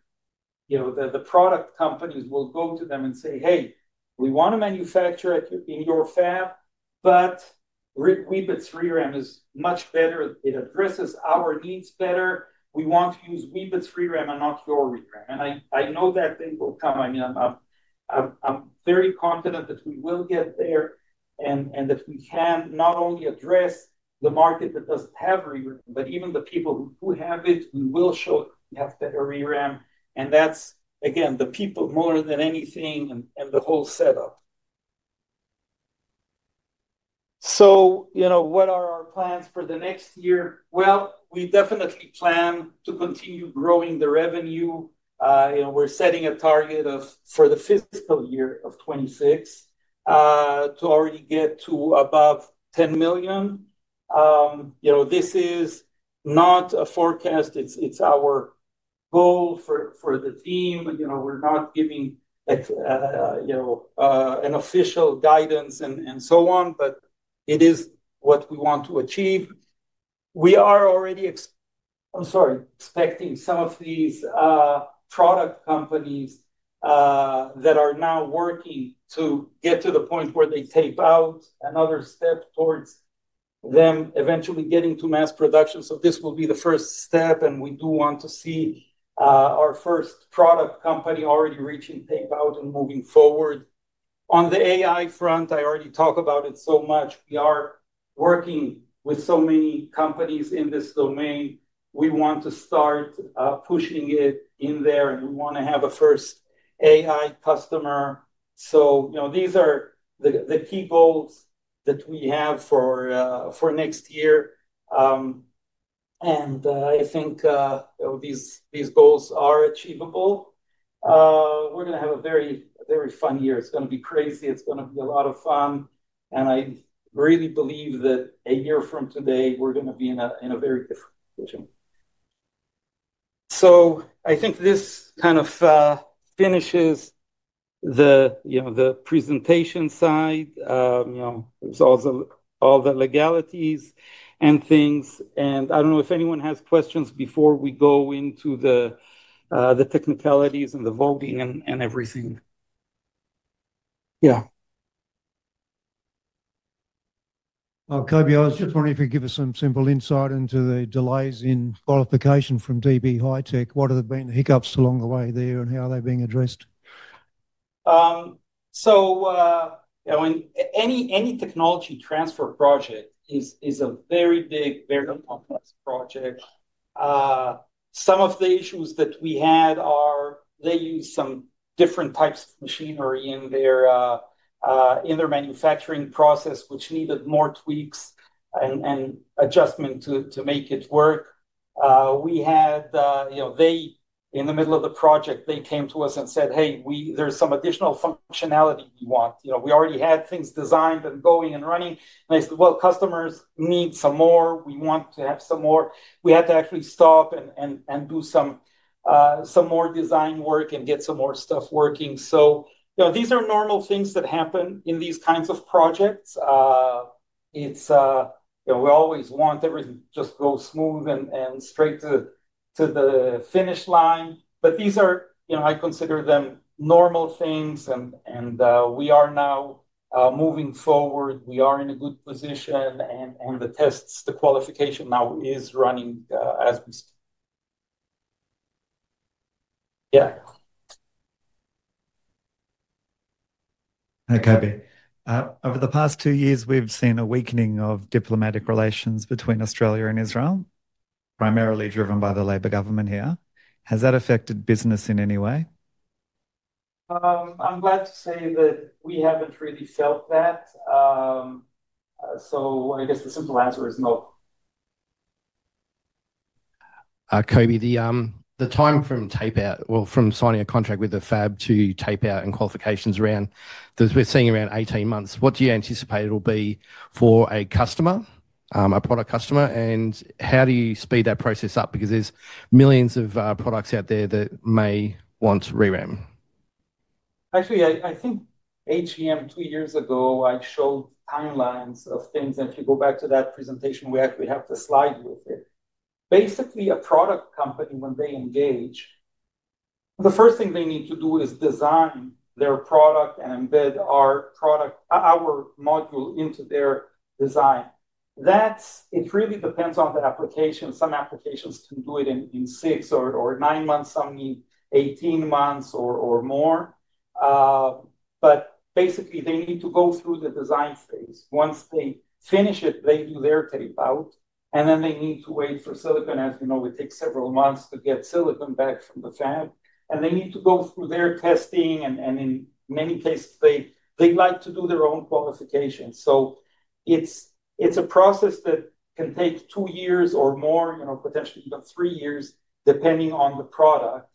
the product companies will go to them and say, "Hey, we want to manufacture in your fab, but Weebit's ReRAM is much better. It addresses our needs better. We want to use Weebit's ReRAM and not your ReRAM." I know that they will come. I mean, I'm very confident that we will get there and that we can not only address the market that doesn't have ReRAM, but even the people who have it, we will show that we have better ReRAM. That's, again, the people more than anything and the whole setup. What are our plans for the next year? We definitely plan to continue growing the revenue. We're setting a target for the fiscal year of 2026 to already get to above $10 million. This is not a forecast. It's our goal for the team. We're not giving an official guidance and so on, but it is what we want to achieve. We are already expecting some of these product companies that are now working to get to the point where they tape out, another step towards them eventually getting to mass production. This will be the first step. We do want to see our first product company already reaching tape out and moving forward. On the AI front, I already talked about it so much. We are working with so many companies in this domain. We want to start pushing it in there, and we want to have a first AI customer. These are the key goals that we have for next year. I think these goals are achievable. We're going to have a very, very fun year. It's going to be crazy. It's going to be a lot of fun. I really believe that a year from today, we're going to be in a very different position. I think this kind of finishes the presentation side. There are all the legalities and things. I don't know if anyone has questions before we go into the technicalities and the voting and everything. Yeah. Coby, I was just wondering if you could give us some simple insight into the delays in qualification from DB HiTek. What have been the hiccups along the way there, and how are they being addressed? Any technology transfer project is a very big, very complex project. Some of the issues that we had are they use some different types of machinery in their manufacturing process, which needed more tweaks and adjustment to make it work. We had, in the middle of the project, they came to us and said, "Hey, there's some additional functionality we want. We already had things designed and going and running." I said, "Well, customers need some more. We want to have some more." We had to actually stop and do some more design work and get some more stuff working. These are normal things that happen in these kinds of projects. We always want everything to just go smooth and straight to the finish line. These are, I consider them, normal things. We are now moving forward. We are in a good position. The tests, the qualification now is running as we speak. Yeah. Hi, Coby. Over the past two years, we've seen a weakening of diplomatic relations between Australia and Israel, primarily driven by the Labor government here. Has that affected business in any way? I'm glad to say that we haven't really felt that. I guess the simple answer is no. Coby, the time from tape-out, from signing a contract with the fab to tape-out and qualifications, we're seeing around 18 months. What do you anticipate it will be for a customer, a product customer? How do you speed that process up? Because there's millions of products out there that may want ReRAM. Actually, I think two years ago, I showed timelines of things. If you go back to that presentation, we actually have the slide with it. Basically, a product company, when they engage, the first thing they need to do is design their product and embed our module into their design. It really depends on the application. Some applications can do it in six or nine months. Some need 18 months or more. Basically, they need to go through the design phase. Once they finish it, they do their tape out. They need to wait for silicon. As you know, it takes several months to get silicon back from the fab. They need to go through their testing. In many cases, they'd like to do their own qualification. It is a process that can take two years or more, potentially even three years, depending on the product.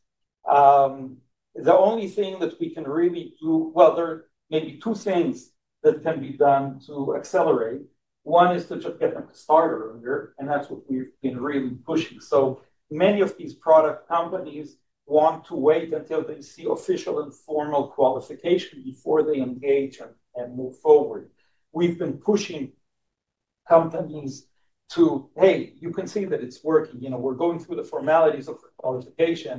The only thing that we can really do, there are maybe two things that can be done to accelerate. One is to just get them to start earlier. That is what we've been really pushing. Many of these product companies want to wait until they see official and formal qualification before they engage and move forward. We've been pushing companies to, "Hey, you can see that it's working. We're going through the formalities of the qualification.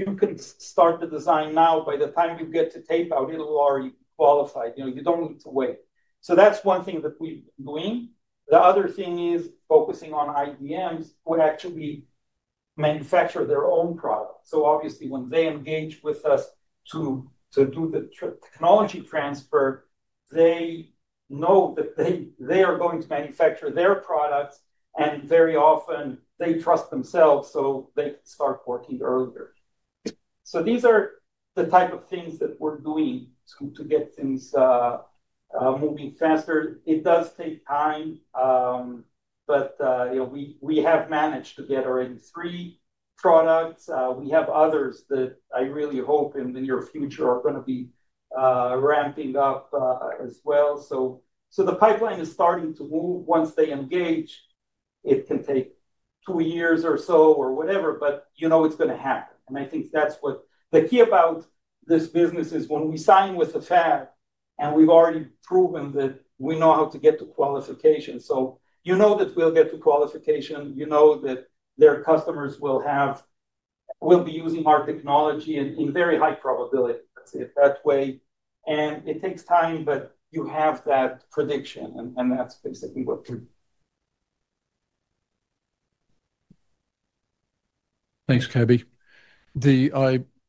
You can start the design now. By the time you get to tape out, it will already be qualified. You don't need to wait." That is one thing that we've been doing. The other thing is focusing on IDMs who actually manufacture their own products. Obviously, when they engage with us to do the technology transfer, they know that they are going to manufacture their products. Very often, they trust themselves, so they can start working earlier. These are the type of things that we're doing to get things moving faster. It does take time, but we have managed to get already three products. We have others that I really hope in the near future are going to be ramping up as well. The pipeline is starting to move. Once they engage, it can take two years or so or whatever, but it's going to happen. I think that's what the key about this business is when we sign with the fab and we've already proven that we know how to get to qualification. You know that we'll get to qualification. You know that their customers will be using our technology in very high probability. That's it that way. It takes time, but you have that prediction. That's basically what we do. Thanks, Coby.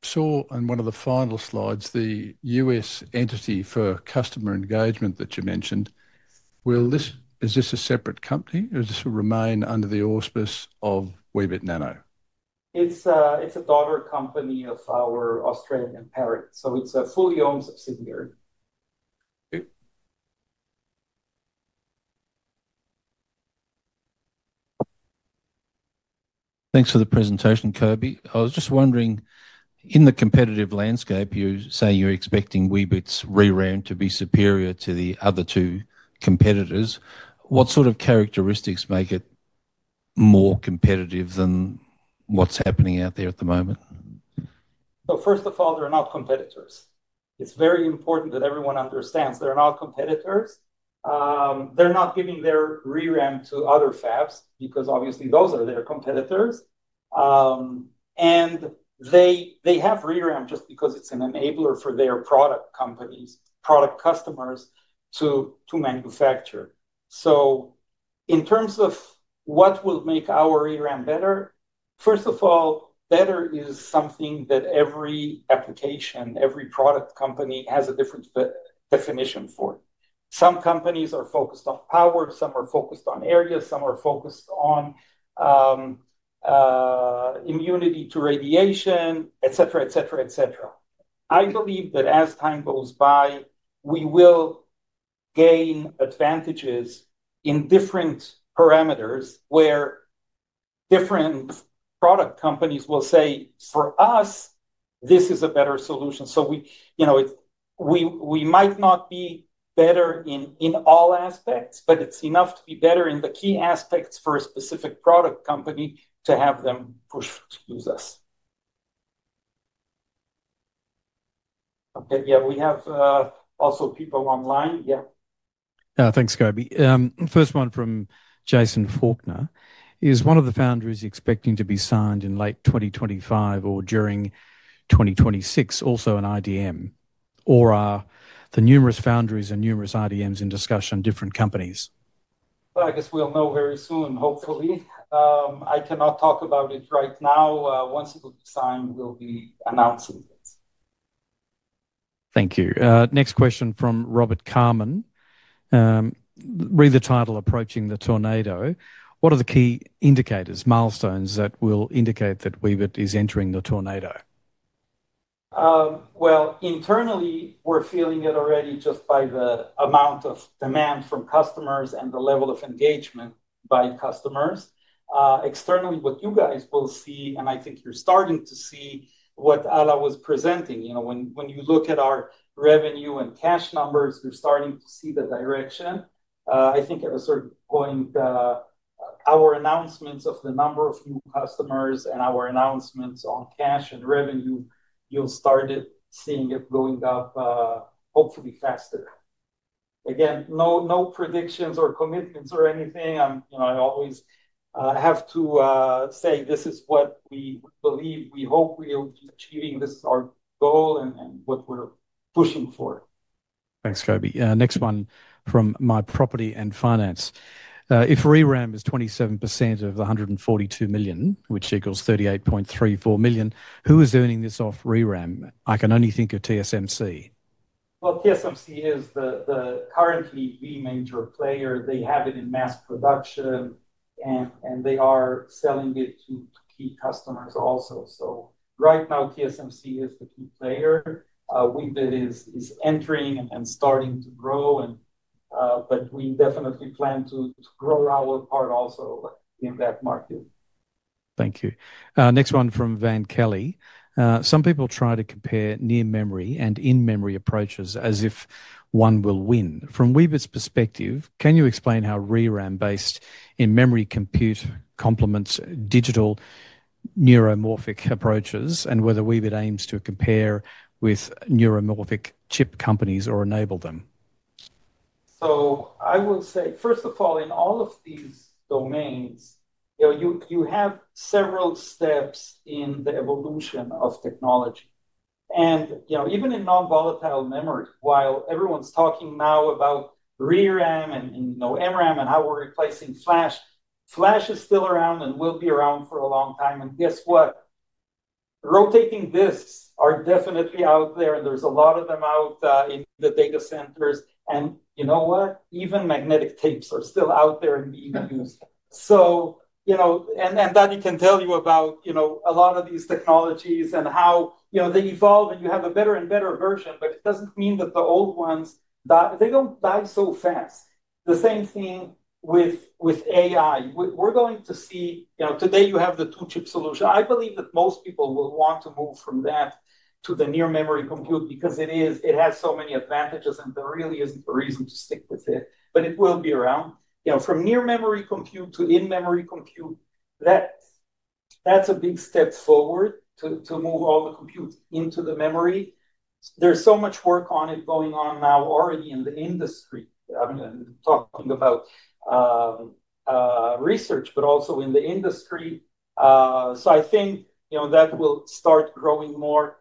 I saw on one of the final slides, the U.S. entity for customer engagement that you mentioned. Is this a separate company, or does it remain under the auspice of Weebit Nano? It's a daughter company of our Australian parent. It's a fully owned subsidiary. Thanks for the presentation, Coby. I was just wondering, in the competitive landscape, you say you're expecting Weebit's RAM to be superior to the other two competitors. What sort of characteristics make it more competitive than what's happening out there at the moment? First of all, they're not competitors. It's very important that everyone understands they're not competitors. They're not giving their ReRAM to other fabs because obviously, those are their competitors. They have ReRAM just because it's an enabler for their product companies, product customers to manufacture. In terms of what will make our ReRAM better, first of all, better is something that every application, every product company has a different definition for. Some companies are focused on power. Some are focused on area. Some are focused on immunity to radiation, etc., etc., etc. I believe that as time goes by, we will gain advantages in different parameters where different product companies will say, "For us, this is a better solution." We might not be better in all aspects, but it's enough to be better in the key aspects for a specific product company to have them push to use us. Okay. Yeah. We have also people online. Yeah. Thanks, Coby. First one from Jason Faulkner is, "One of the foundries expecting to be signed in late 2025 or during 2026, also an IDM, or are the numerous foundries and numerous IDMs in discussion, different companies?" I guess we'll know very soon, hopefully. I cannot talk about it right now. Once it's signed, we'll be announcing it. Thank you. Next question from Robert Carmen. Read the title, "Approaching the Tornado." What are the key indicators, milestones that will indicate that Weebit is entering the tornado? Internally, we're feeling it already just by the amount of demand from customers and the level of engagement by customers. Externally, what you guys will see, and I think you're starting to see what Alla was presenting. When you look at our revenue and cash numbers, you're starting to see the direction. I think as we're going, our announcements of the number of new customers and our announcements on cash and revenue, you'll start seeing it going up, hopefully, faster. Again, no predictions or commitments or anything. I always have to say, "This is what we believe. We hope we'll be achieving. This is our goal and what we're pushing for." Thanks, Coby. Next one from My Property and Finance. If ReRAM is 27% of the 142 million, which equals 38.34 million, who is earning this off ReRAM? I can only think of TSMC." TSMC is the currently lead major player. They have it in mass production, and they are selling it to key customers also. Right now, TSMC is the key player. Weebit is entering and starting to grow. We definitely plan to grow our part also in that market. Thank you. Next one from Van Kelly. "Some people try to compare near-memory and in-memory approaches as if one will win. From Weebit's perspective, can you explain how ReRAM-based in-memory compute complements digital neuromorphic approaches and whether Weebit aims to compare with neuromorphic chip companies or enable them?" I will say, first of all, in all of these domains, you have several steps in the evolution of technology. Even in non-volatile memory, while everyone's talking now about ReRAM and MRAM and how we're replacing flash, flash is still around and will be around for a long time. Guess what? Rotating disks are definitely out there, and there's a lot of them out in the data centers. You know what? Even magnetic tapes are still out there and being used. I can tell you about a lot of these technologies and how they evolve. You have a better and better version, but it doesn't mean that the old ones, they don't die so fast. The same thing with AI. We're going to see today you have the two-chip solution. I believe that most people will want to move from that to the near-memory compute because it has so many advantages, and there really isn't a reason to stick with it. It will be around. From near-memory compute to in-memory compute, that's a big step forward to move all the compute into the memory. There's so much work on it going on now already in the industry. I'm talking about research, but also in the industry. I think that will start growing more.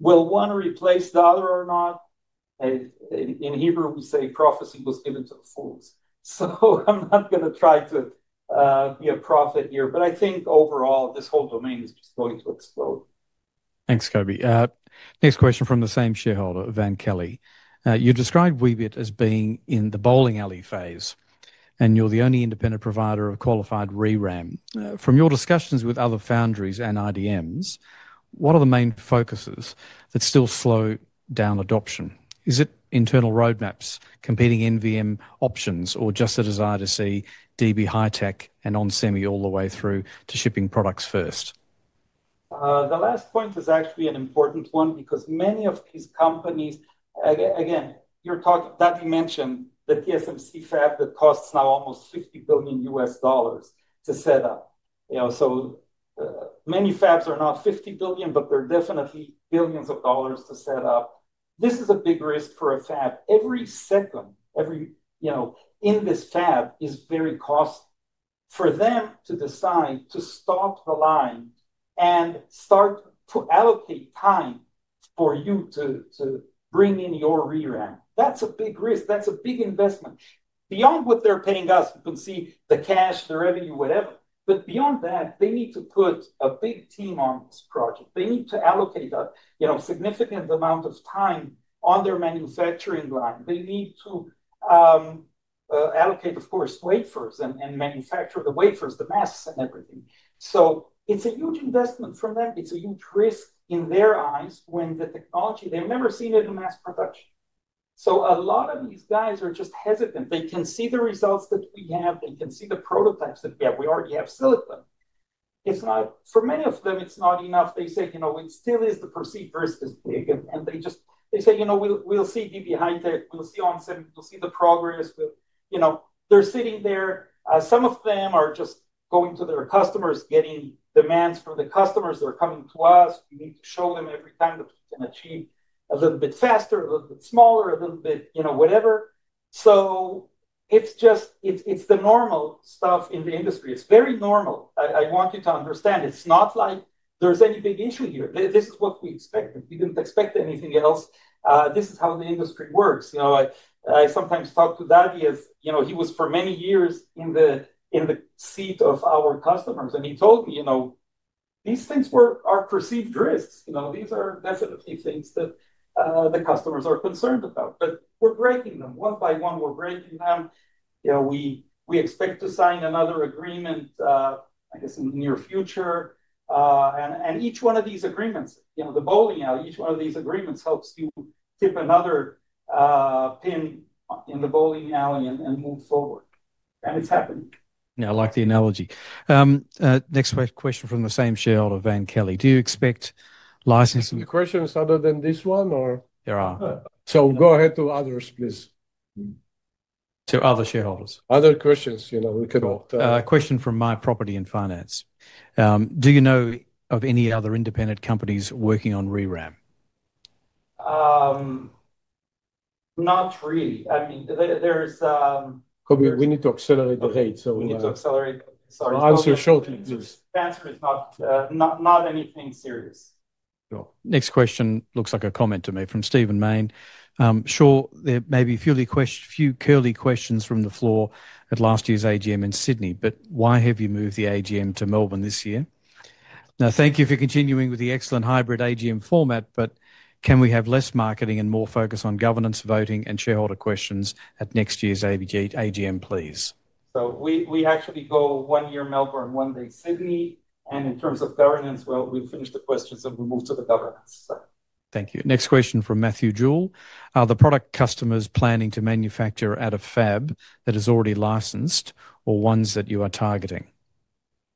Will one replace the other or not? In Hebrew, we say, "Prophecy was given to the fools." I'm not going to try to be a prophet here. I think overall, this whole domain is just going to explode. Thanks, Coby. Next question from the same shareholder, Van Kelly. "You described Weebit as being in the bowling alley phase, and you're the only independent provider of qualified ReRAM. From your discussions with other foundries and IDMs, what are the main focuses that still slow down adoption? Is it internal roadmaps, competing NVM options, or just a desire to see DB HiTek and onsemi all the way through to shipping products first? The last point is actually an important one because many of these companies, again, that you mentioned, the TSMC fab that costs now almost $50 billion to set up. Many fabs are not $50 billion, but they are definitely billions of dollars to set up. This is a big risk for a fab. Every second in this fab is very costly for them to decide to stop the line and start to allocate time for you to bring in your ReRAM. That is a big risk. That is a big investment. Beyond what they are paying us, you can see the cash, the revenue, whatever. Beyond that, they need to put a big team on this project. They need to allocate a significant amount of time on their manufacturing line. They need to allocate, of course, wafers and manufacture the wafers, the masks, and everything. It is a huge investment for them. It is a huge risk in their eyes when the technology, they have never seen it in mass production. A lot of these guys are just hesitant. They can see the results that we have. They can see the prototypes that we have. We already have silicon. For many of them, it is not enough. They say, "It still is the perceived risk is big. And they say, 'We will see DB HiTek. We will see onsemi. We will see the progress.'" They are sitting there. Some of them are just going to their customers, getting demands from the customers. They are coming to us. We need to show them every time that we can achieve a little bit faster, a little bit smaller, a little bit whatever. It is the normal stuff in the industry. It is very normal. I want you to understand. It is not like there is any big issue here. This is what we expected. We did not expect anything else. This is how the industry works. I sometimes talk to Danny. He was for many years in the seat of our customers. He told me, "These things are perceived risks. These are definitely things that the customers are concerned about. But we are breaking them one by one. We are breaking them. We expect to sign another agreement, I guess, in the near future." Each one of these agreements, the bowling alley, each one of these agreements helps you tip another pin in the bowling alley and move forward. It is happening. Yeah, I like the analogy. Next question from the same shareholder, Van Kelly. "Do you expect licensing?" The question is other than this one, or? There are. Go ahead to others, please. To other shareholders. Other questions. We can all talk. Question from My Property and Finance. "Do you know of any other independent companies working on ReRAM?" Not really. I mean, there's— Coby, we need to accelerate the rate, so— We need to accelerate. Sorry. Answer shortly, please. The answer is not anything serious. Next question looks like a comment to me from Stephen Mayne. Sure, there may be a few curly questions from the floor at last year's AGM in Sydney, but why have you moved the AGM to Melbourne this year?" Now, thank you for continuing with the excellent hybrid AGM format, but can we have less marketing and more focus on governance, voting, and shareholder questions at next year's AGM, please? We actually go one year Melbourne, one year Sydney. In terms of governance, we finish the questions and we move to the governance side. Thank you. Next question from Matthew Jewell. "Are the product customers planning to manufacture at a fab that is already licensed or ones that you are targeting?"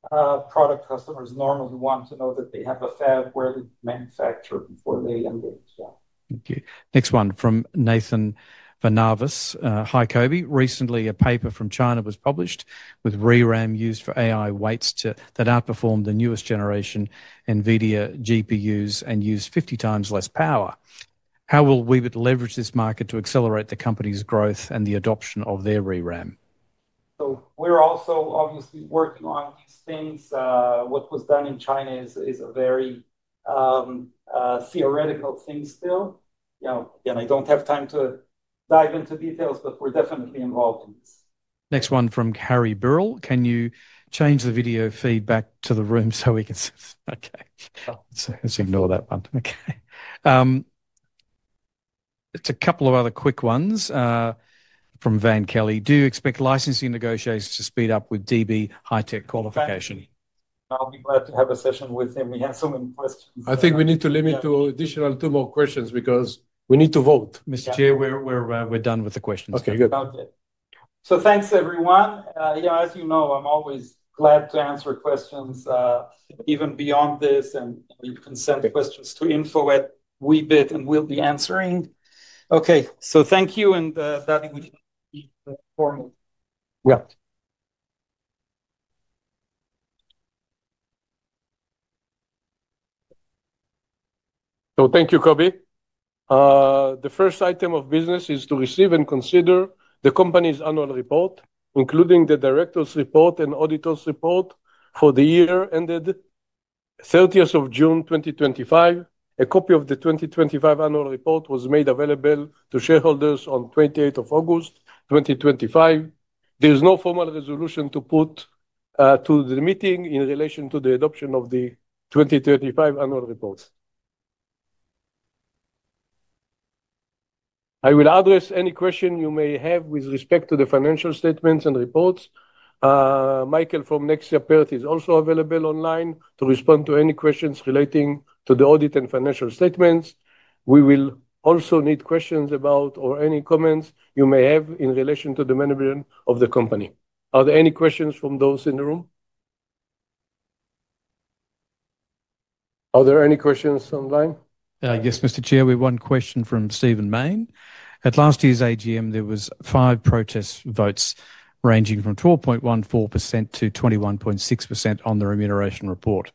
Product customers normally want to know that they have a fab where they manufacture before they engage. Yeah. Thank you. Next one from Nathan Vernafus. "Hi Coby. Recently, a paper from China was published with ReRAM used for AI weights that outperformed the newest generation NVIDIA GPUs and used 50 times less power. How will Weebit leverage this market to accelerate the company's growth and the adoption of their ReRAM? We are also obviously working on these things. What was done in China is a very theoretical thing still. Again, I do not have time to dive into details, but we are definitely involved in this. Next one from Carrie Burrell. Can you change the video feed back to the room so we can see? Okay. Let's ignore that one. Okay. It is a couple of other quick ones from Van Kelly. Do you expect licensing negotiations to speed up with DB HiTek qualification? I will be glad to have a session with him. We have so many questions. I think we need to limit to additional two more questions because we need to vote. Mr. Chair, we're done with the questions. Okay. Good. Thanks, everyone. As you know, I'm always glad to answer questions even beyond this. You can send questions to info@weebit, and we'll be answering. Thank you. Dadi, would you like to be informal? Yeah. Thank you, Coby. The first item of business is to receive and consider the company's annual report, including the director's report and auditor's report for the year ended 30th of June 2025. A copy of the 2025 annual report was made available to shareholders on 28th of August 2025. There is no formal resolution to put to the meeting in relation to the adoption of the 2025 annual report. I will address any question you may have with respect to the financial statements and reports. Michael from Nexia Perth is also available online to respond to any questions relating to the audit and financial statements. We will also need questions about or any comments you may have in relation to the management of the company. Are there any questions from those in the room? Are there any questions online? Yes, Mr. Chair, we have one question from Stephen Mayne. "At last year's AGM, there were five protest votes ranging from 12.14%-21.6% on the remuneration report.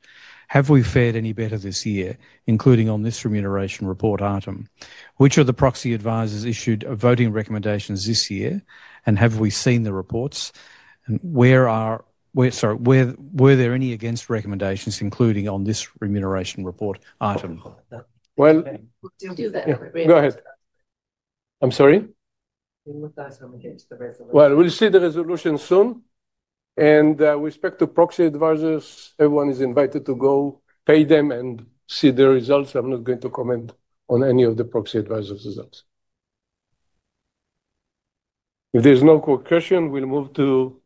Have we fared any better this year, including on this remuneration report item? Which of the proxy advisors issued voting recommendations this year, and have we seen the reports? And were there any against recommendations, including on this remuneration report item?" We'll do that. Go ahead. I'm sorry? We'll see the resolution. We'll see the resolution soon. We expect the proxy advisors—everyone is invited to go pay them and see the results. I'm not going to comment on any of the proxy advisors' results. If there's no question, we'll move to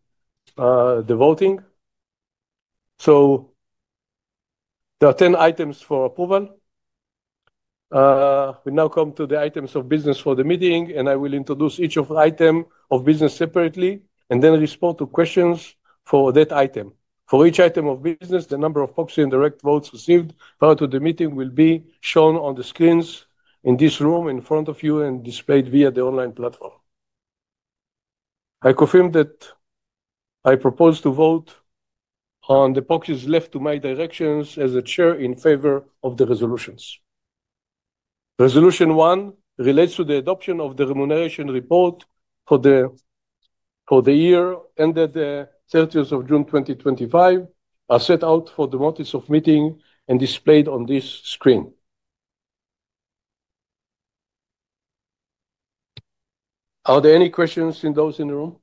the voting. There are 10 items for approval. We now come to the items of business for the meeting, and I will introduce each item of business separately and then respond to questions for that item. For each item of business, the number of proxy and direct votes received prior to the meeting will be shown on the screens in this room in front of you and displayed via the online platform. I confirm that I propose to vote on the proxies left to my directions as Chair in favor of the resolutions. Resolution 1 relates to the adoption of the remuneration report for the year ended 30th of June 2025, set out for the notice of meeting, and displayed on this screen. Are there any questions in those in the room?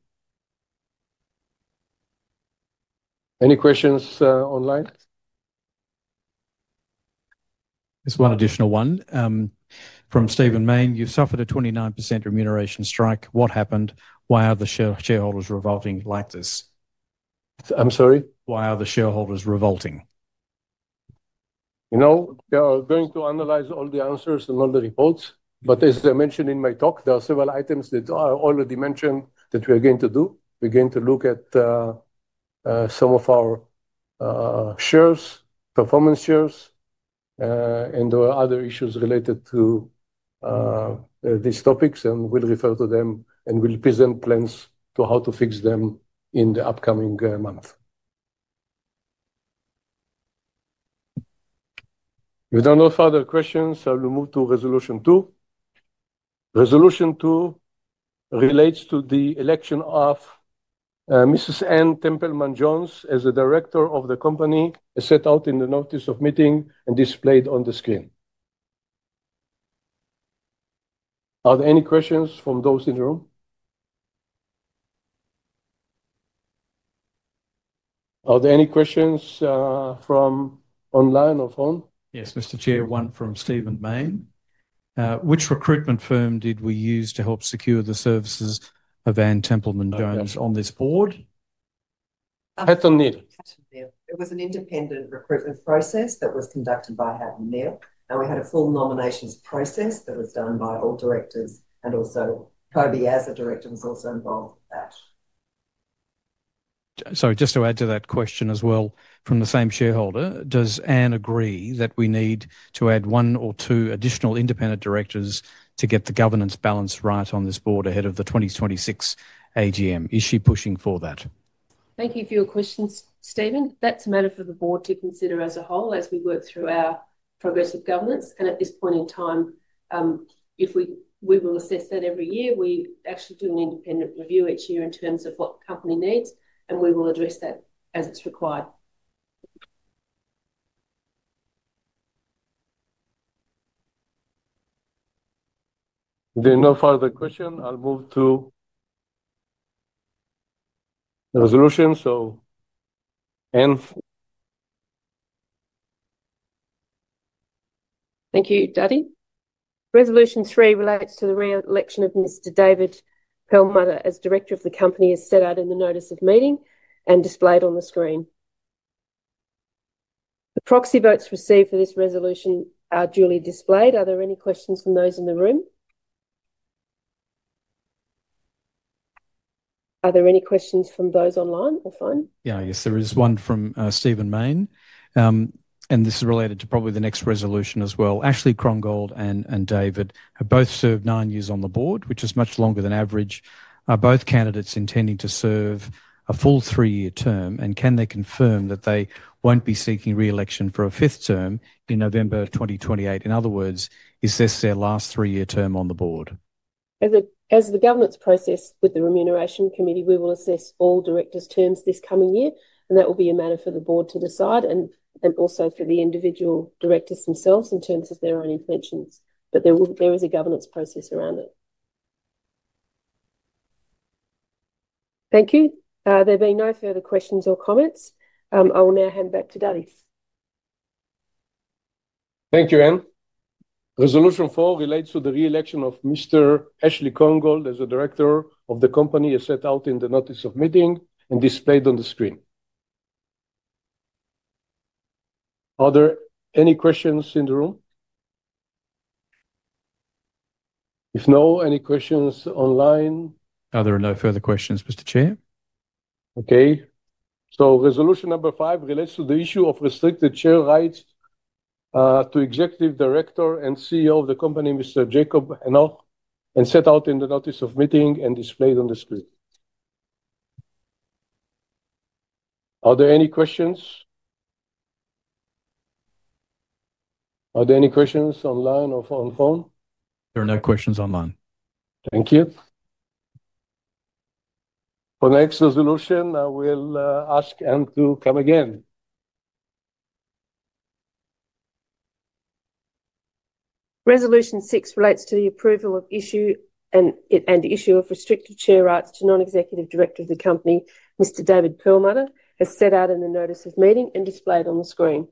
Any questions online? Just one additional one from Stephen Mayne. "You suffered a 29% remuneration strike. What happened? Why are the shareholders revolting like this?" I'm sorry? "Why are the shareholders revolting?" You know, we are going to analyze all the answers and all the reports. As I mentioned in my talk, there are several items that are already mentioned that we are going to do. We're going to look at some of our shares, performance shares, and other issues related to these topics. We will refer to them and we will present plans to how to fix them in the upcoming month. If there are no further questions, I will move to Resolution 2. Resolution 2 relates to the election of Mrs. Anne Templeman-Jones as the director of the company set out in the notice of meeting and displayed on the screen. Are there any questions from those in the room? Are there any questions from online or phone? Yes, Mr. Chair, one from Stephen Mayne. "Which recruitment firm did we use to help secure the services of Anne Templeman-Jones on this board?" [Hatton Nantoli] It was an independent recruitment process that was conducted by Hatton Nantoli. We had a full nominations process that was done by all directors. Also, Coby, as a director, was also involved with that. Sorry, just to add to that question as well from the same shareholder, "Does Anne agree that we need to add one or two additional independent directors to get the governance balance right on this board ahead of the 2026 AGM? Is she pushing for that?" Thank you for your questions, Stephen. That is a matter for the board to consider as a whole as we work through our progressive governance. At this point in time, we will assess that every year. We actually do an independent review each year in terms of what the company needs. We will address that as it is required. There are no further questions. I will move to the resolution. Anne. Thank you, Dadi. Resolution 3 relates to the re-election of Mr. David Perlmutter as director of the company as set out in the notice of meeting and displayed on the screen. The proxy votes received for this resolution are duly displayed. Are there any questions from those in the room? Are there any questions from those online or phone? Yeah, yes. There is one from Stephen Mayne. And this is related to probably the next resolution as well. Ashley Krongold and David have both served nine years on the board, which is much longer than average. Are both candidates intending to serve a full three-year term? And can they confirm that they won't be seeking re-election for a fifth term in November 2028? In other words, is this their last three-year term on the board? As the governance process with the remuneration committee, we will assess all directors' terms this coming year. And that will be a matter for the board to decide and also for the individual directors themselves in terms of their own intentions. There is a governance process around it. Thank you. There being no further questions or comments, I will now hand back to David. Thank you, Anne. Resolution 4 relates to the re-election of Mr. Ashley Krongold as the director of the company as set out in the notice of meeting and displayed on the screen. Are there any questions in the room? If no, any questions online? There are no further questions, Mr. Chair. Okay. Resolution Number 5 relates to the issue of restricted share rights to executive director and CEO of the company, Mr. Coby Hanoch, as set out in the notice of meeting and displayed on the screen. Are there any questions? Are there any questions online or on phone? There are no questions online. Thank you. For the next resolution, I will ask Anne to come again. Resolution 6 relates to the approval of issue and issue of restricted share rights to non-executive director of the company, Mr. David Perlmutter, as set out in the notice of meeting and displayed on the screen.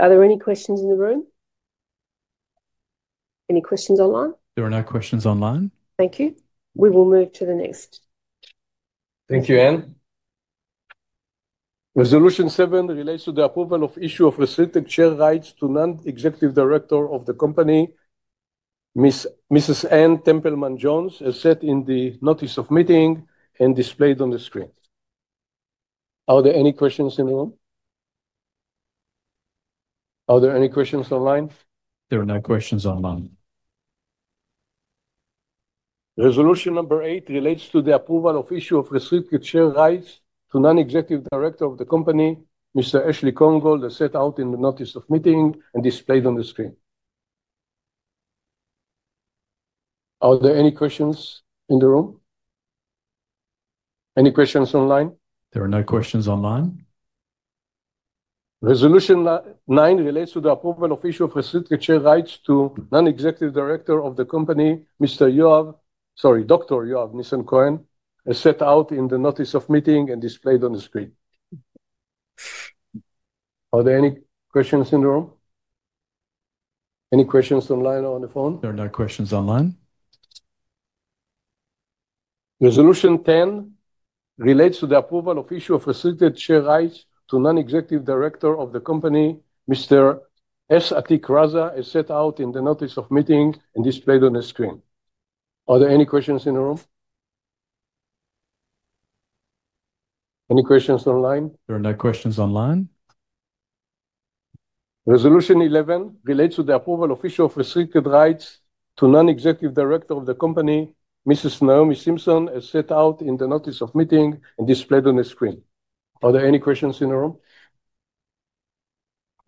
Are there any questions in the room? Any questions online? There are no questions online. Thank you. We will move to the next. Thank you, Ann. Resolution 7 relates to the approval of issue of restricted share rights to non-executive director of the company, Mrs. Anne Templeman-Jones, as set in the notice of meeting and displayed on the screen. Are there any questions in the room? Are there any questions online? There are no questions online. Resolution Number 8 relates to the approval of issue of restricted share rights to non-executive director of the company, Mr. Ashley Krongold, as set out in the notice of meeting and displayed on the screen. Are there any questions in the room? Any questions online? There are no questions online. Resolution 9 relates to the approval of issue of restricted share rights to non-executive director of the company, Dr. Yoav Nissan-Cohen, as set out in the notice of meeting and displayed on the screen. Are there any questions in the room? Any questions online or on the phone? There are no questions online. Resolution 10 relates to the approval of issue of restricted share rights to non-executive director of the company, Mr. Atiq Raza, as set out in the notice of meeting and displayed on the screen. Are there any questions in the room? Any questions online? There are no questions online. Resolution 11 relates to the approval of issue of restricted rights to non-executive director of the company, Mrs. Naomi Simson, as set out in the notice of meeting and displayed on the screen. Are there any questions in the room?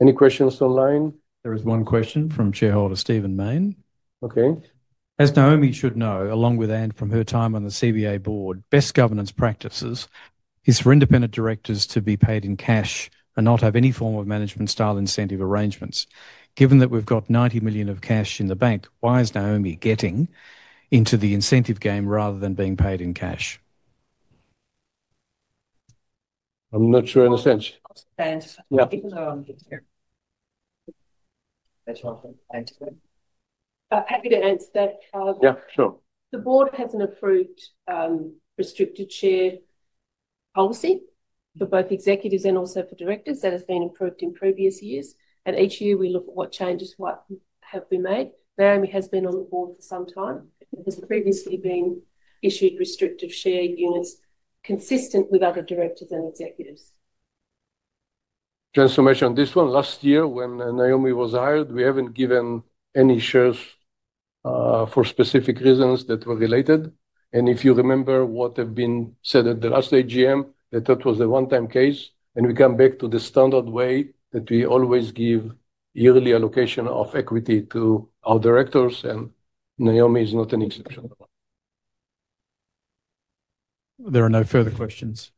Any questions online? There is one question from shareholder Stephen Mayne. Okay. As Naomi should know, along with Anne from her time on the CBA board, best governance practices is for independent directors to be paid in cash and not have any form of management style incentive arrangements. Given that we've got $90 million of cash in the bank, why is Naomi getting into the incentive game rather than being paid in cash? I'm not sure I understand. I'll just answer. Even though I'm here. Happy to answer that. Yeah, sure. The board hasn't approved restricted share policy for both executives and also for directors. That has been approved in previous years. Each year, we look at what changes have been made. Naomi has been on the board for some time. There has previously been issued restrictive share units consistent with other directors and executives. Just to make sure on this one, last year when Naomi was hired, we haven't given any shares for specific reasons that were related. If you remember what has been said at the last AGM, that that was a one-time case. We come back to the standard way that we always give yearly allocation of equity to our directors. Naomi is not an exception to that. There are no further questions.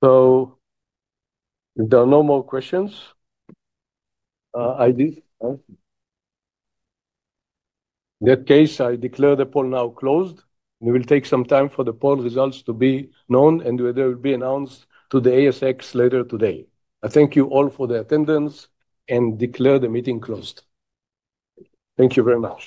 There are no more questions. I declare the poll now closed. We will take some time for the poll results to be known and they will be announced to the ASX later today. I thank you all for the attendance and declare the meeting closed. Thank you very much.